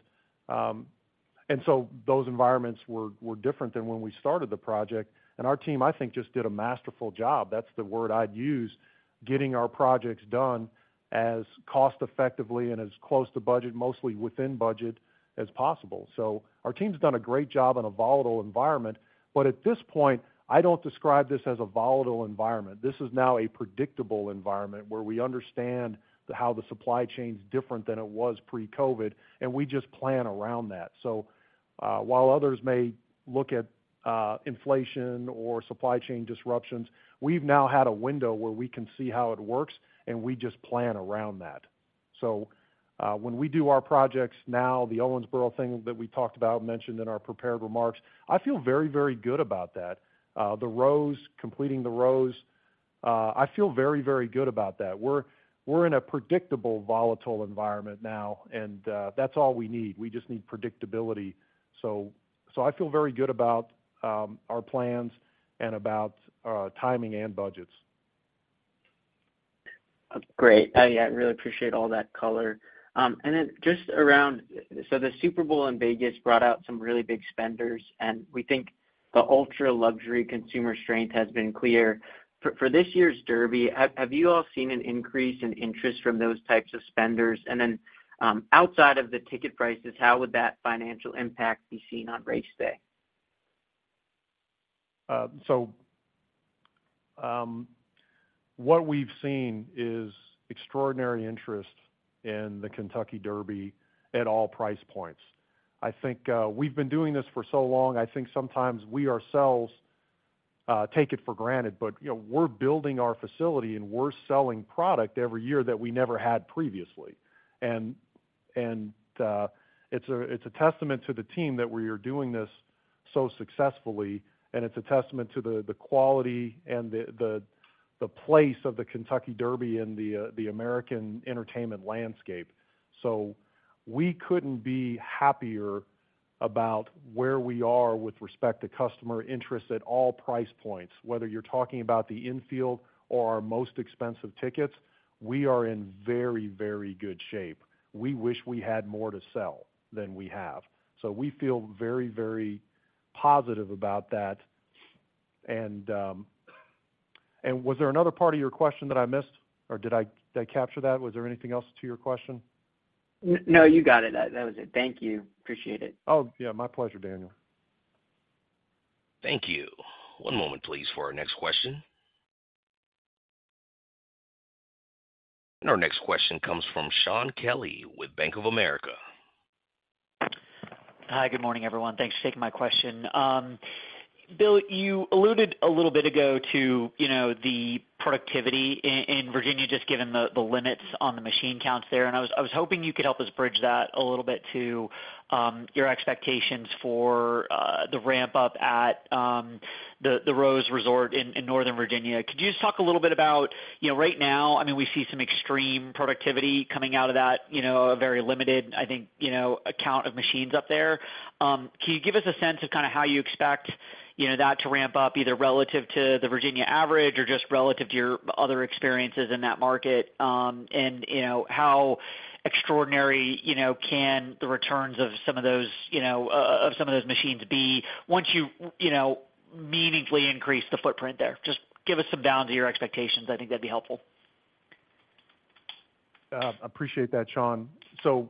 And so those environments were different than when we started the project. And our team, I think, just did a masterful job. That's the word I'd use, getting our projects done as cost-effectively and as close to budget, mostly within budget, as possible. So our team's done a great job in a volatile environment, but at this point, I don't describe this as a volatile environment. This is now a predictable environment, where we understand how the supply chain's different than it was pre-COVID, and we just plan around that. So, while others may look at, inflation or supply chain disruptions, we've now had a window where we can see how it works, and we just plan around that. So, when we do our projects now, the Owensboro thing that we talked about, mentioned in our prepared remarks, I feel very, very good about that. The Rose, completing The Rose, I feel very, very good about that. We're in a predictable, volatile environment now, and that's all we need. We just need predictability. So I feel very good about our plans and about timing and budgets. Great. I yeah, really appreciate all that color. And then just around, so the Super Bowl in Vegas brought out some really big spenders, and we think the ultra-luxury consumer strength has been clear. For this year's Derby, have you all seen an increase in interest from those types of spenders? And then, outside of the ticket prices, how would that financial impact be seen on race day? So, what we've seen is extraordinary interest in the Kentucky Derby at all price points. I think, we've been doing this for so long, I think sometimes we ourselves take it for granted. But, you know, we're building our facility, and we're selling product every year that we never had previously. It's a testament to the team that we are doing this so successfully, and it's a testament to the quality and the place of the Kentucky Derby in the American entertainment landscape. So we couldn't be happier about where we are with respect to customer interest at all price points. Whether you're talking about the infield or our most expensive tickets, we are in very, very good shape. We wish we had more to sell than we have. So we feel very, very positive about that. And was there another part of your question that I missed, or did I, did I capture that? Was there anything else to your question? No, you got it. That, that was it. Thank you. Appreciate it. Oh, yeah, my pleasure, Daniel. Thank you. One moment, please, for our next question. Our next question comes from Shaun Kelley with Bank of America. Hi, good morning, everyone. Thanks for taking my question. Bill, you alluded a little bit ago to, you know, the productivity in Virginia, just given the limits on the machine counts there. I was hoping you could help us bridge that a little bit to your expectations for The Rose Resort in Northern Virginia. Could you just talk a little bit about, you know, right now, I mean, we see some extreme productivity coming out of that, you know, a very limited, I think, you know, count of machines up there. Can you give us a sense of kind of how you expect, you know, that to ramp up, either relative to the Virginia average or just relative to your other experiences in that market? You know, how extraordinary, you know, can the returns of some of those, you know, of some of those machines be once you, you know, meaningfully increase the footprint there? Just give us some bounds of your expectations. I think that'd be helpful. Appreciate that, Sean. So,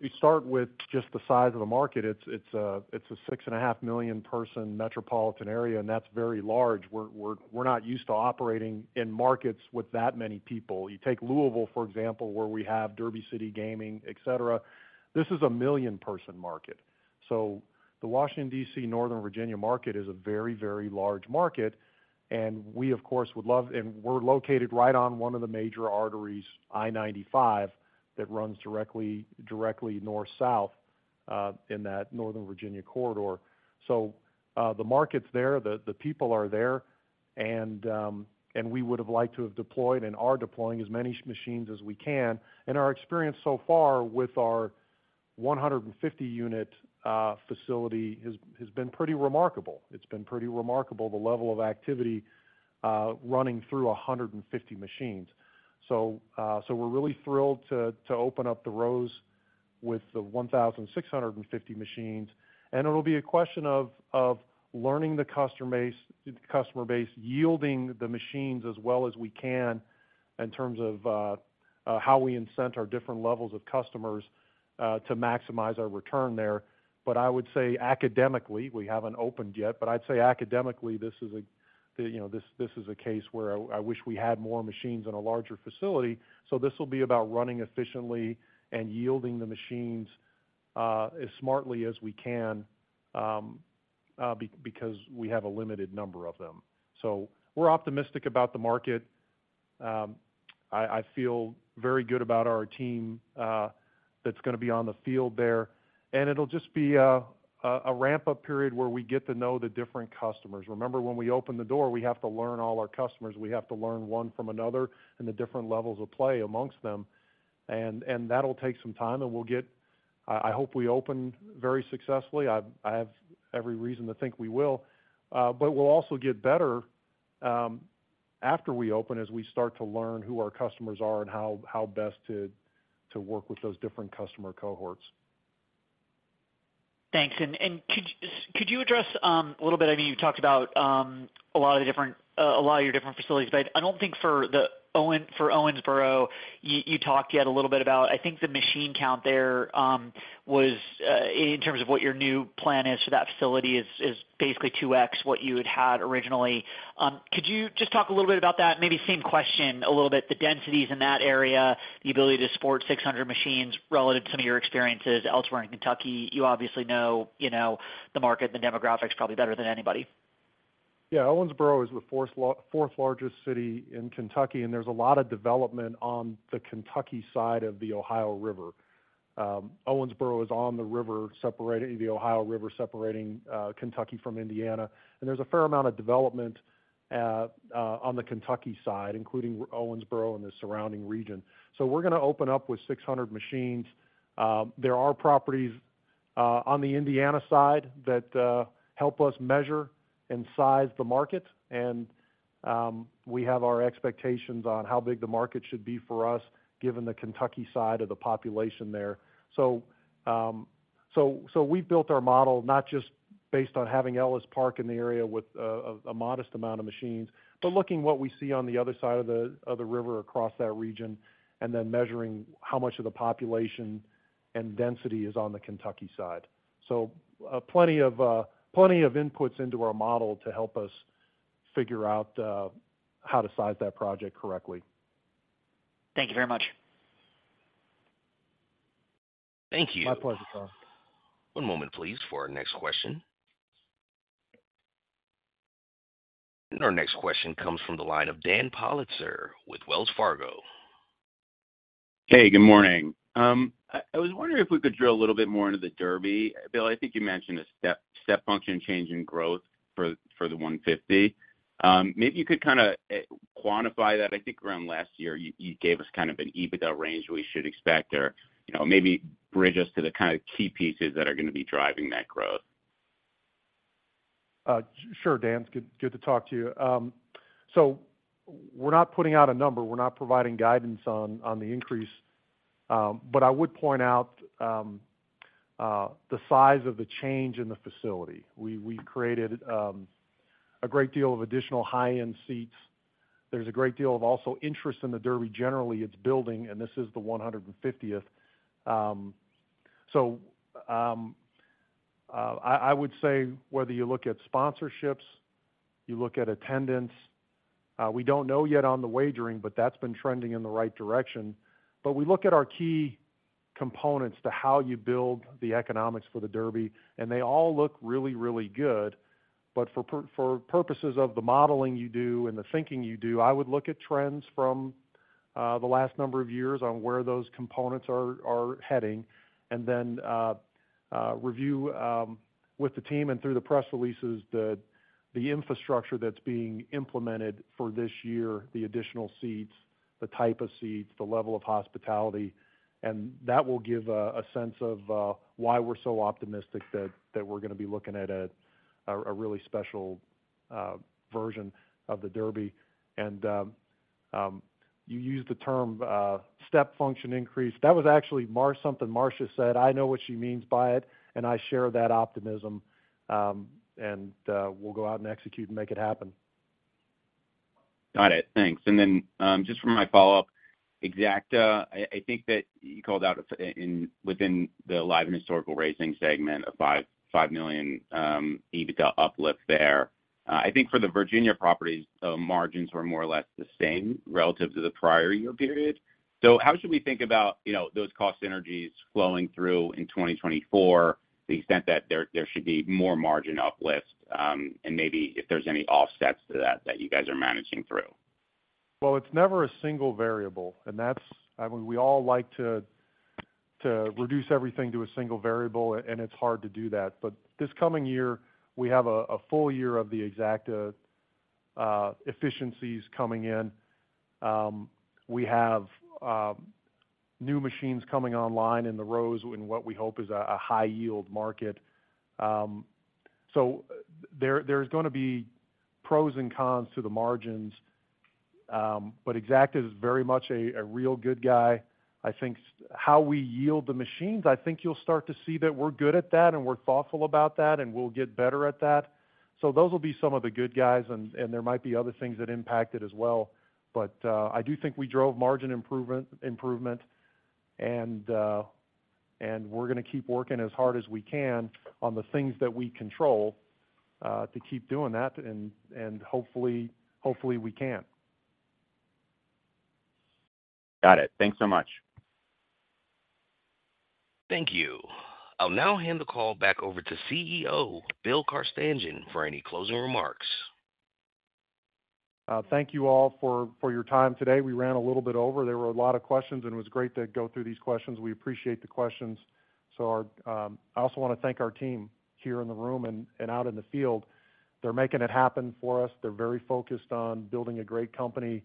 we start with just the size of the market. It's a 6.5-million-person metropolitan area, and that's very large. We're not used to operating in markets with that many people. You take Louisville, for example, where we have Derby City Gaming, et cetera. This is a 1-million-person market. So the Washington, D.C., Northern Virginia market is a very, very large market, and we, of course, would love and we're located right on one of the major arteries, I-95, that runs directly north-south in that Northern Virginia corridor. So, the market's there, the people are there, and we would have liked to have deployed and are deploying as many machines as we can. Our experience so far with our 150-unit facility has been pretty remarkable. It's been pretty remarkable, the level of activity running through 150 machines. So we're really thrilled to open up The Rose with the 1,650 machines, and it'll be a question of learning the customer base, yielding the machines as well as we can in terms of how we incent our different levels of customers to maximize our return there. But I would say academically, we haven't opened yet, but I'd say academically, this is a, you know, this is a case where I wish we had more machines and a larger facility. So this will be about running efficiently and yielding the machines as smartly as we can because we have a limited number of them. So we're optimistic about the market. I feel very good about our team that's gonna be on the field there, and it'll just be a ramp-up period where we get to know the different customers. Remember, when we open the door, we have to learn all our customers. We have to learn one from another and the different levels of play amongst them, and that'll take some time, and we'll get... I hope we open very successfully. I have every reason to think we will, but we'll also get better after we open, as we start to learn who our customers are and how best to work with those different customer cohorts. Thanks. And could you address a little bit, I know you've talked about a lot of your different facilities, but I don't think for Owensboro, you talked yet a little bit about, I think the machine count there, in terms of what your new plan is for that facility is basically 2x what you had originally. Could you just talk a little bit about that? Maybe same question a little bit, the densities in that area, the ability to support 600 machines relative to some of your experiences elsewhere in Kentucky. You obviously know the market, the demographics, probably better than anybody. Yeah, Owensboro is the fourth largest city in Kentucky, and there's a lot of development on the Kentucky side of the Ohio River. Owensboro is on the river, the Ohio River, separating Kentucky from Indiana, and there's a fair amount of development on the Kentucky side, including Owensboro and the surrounding region. So we're gonna open up with 600 machines. There are properties on the Indiana side that help us measure and size the market, and we have our expectations on how big the market should be for us, given the Kentucky side of the population there. So we've built our model, not just based on having Ellis Park in the area with a modest amount of machines, but looking what we see on the other side of the river across that region, and then measuring how much of the population and density is on the Kentucky side. So plenty of inputs into our model to help us figure out how to size that project correctly. Thank you very much. Thank you. My pleasure, Shaun. One moment, please, for our next question. Our next question comes from the line of Dan Politzer with Wells Fargo. Hey, good morning. I was wondering if we could drill a little bit more into the Derby. Bill, I think you mentioned a step function change in growth for the 150. Maybe you could kind of quantify that. I think around last year, you gave us kind of an EBITDA range we should expect or, you know, maybe bridge us to the kind of key pieces that are gonna be driving that growth. Sure, Dan. Good, good to talk to you. So we're not putting out a number. We're not providing guidance on, on the increase, but I would point out the size of the change in the facility. We, we created a great deal of additional high-end seats. There's a great deal of also interest in the Derby, generally, it's building, and this is the 150th. So, I, I would say whether you look at sponsorships, you look at attendance, we don't know yet on the wagering, but that's been trending in the right direction. But we look at our key components to how you build the economics for the Derby, and they all look really, really good. But for purposes of the modeling you do and the thinking you do, I would look at trends from the last number of years on where those components are heading, and then review with the team and through the press releases the infrastructure that's being implemented for this year, the additional seats, the type of seats, the level of hospitality, and that will give a sense of why we're so optimistic that we're gonna be looking at a really special version of the Derby. And you used the term step function increase. That was actually Marcia said. I know what she means by it, and I share that optimism. And we'll go out and execute and make it happen. Got it. Thanks. Then, just for my follow-up, Exacta, I think that you called out within the live and historical racing segment, a $5 million EBITDA uplift there. I think for the Virginia properties, the margins were more or less the same relative to the prior year period. So how should we think about, you know, those cost synergies flowing through in 2024, the extent that there should be more margin uplift, and maybe if there's any offsets to that, that you guys are managing through? Well, it's never a single variable, and that's... I mean, we all like to, to reduce everything to a single variable, and it's hard to do that. But this coming year, we have a, a full year of the Exacta efficiencies coming in. We have new machines coming online in The Rose, in what we hope is a, a high-yield market. So there, there's gonna be pros and cons to the margins, but Exacta is very much a, a real good guy. I think how we yield the machines, I think you'll start to see that we're good at that, and we're thoughtful about that, and we'll get better at that. So those will be some of the good guys, and, and there might be other things that impact it as well. I do think we drove margin improvement, and we're gonna keep working as hard as we can on the things that we control to keep doing that, and hopefully, we can. Got it. Thanks so much. Thank you. I'll now hand the call back over to CEO, Bill Carstanjen, for any closing remarks. Thank you all for your time today. We ran a little bit over. There were a lot of questions, and it was great to go through these questions. We appreciate the questions. I also want to thank our team here in the room and out in the field. They're making it happen for us. They're very focused on building a great company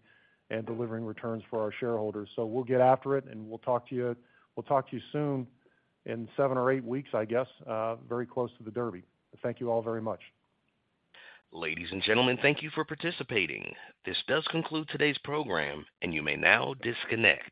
and delivering returns for our shareholders. So we'll get after it, and we'll talk to you soon, in seven or eight weeks, I guess, very close to the Derby. Thank you all very much. Ladies and gentlemen, thank you for participating. This does conclude today's program, and you may now disconnect.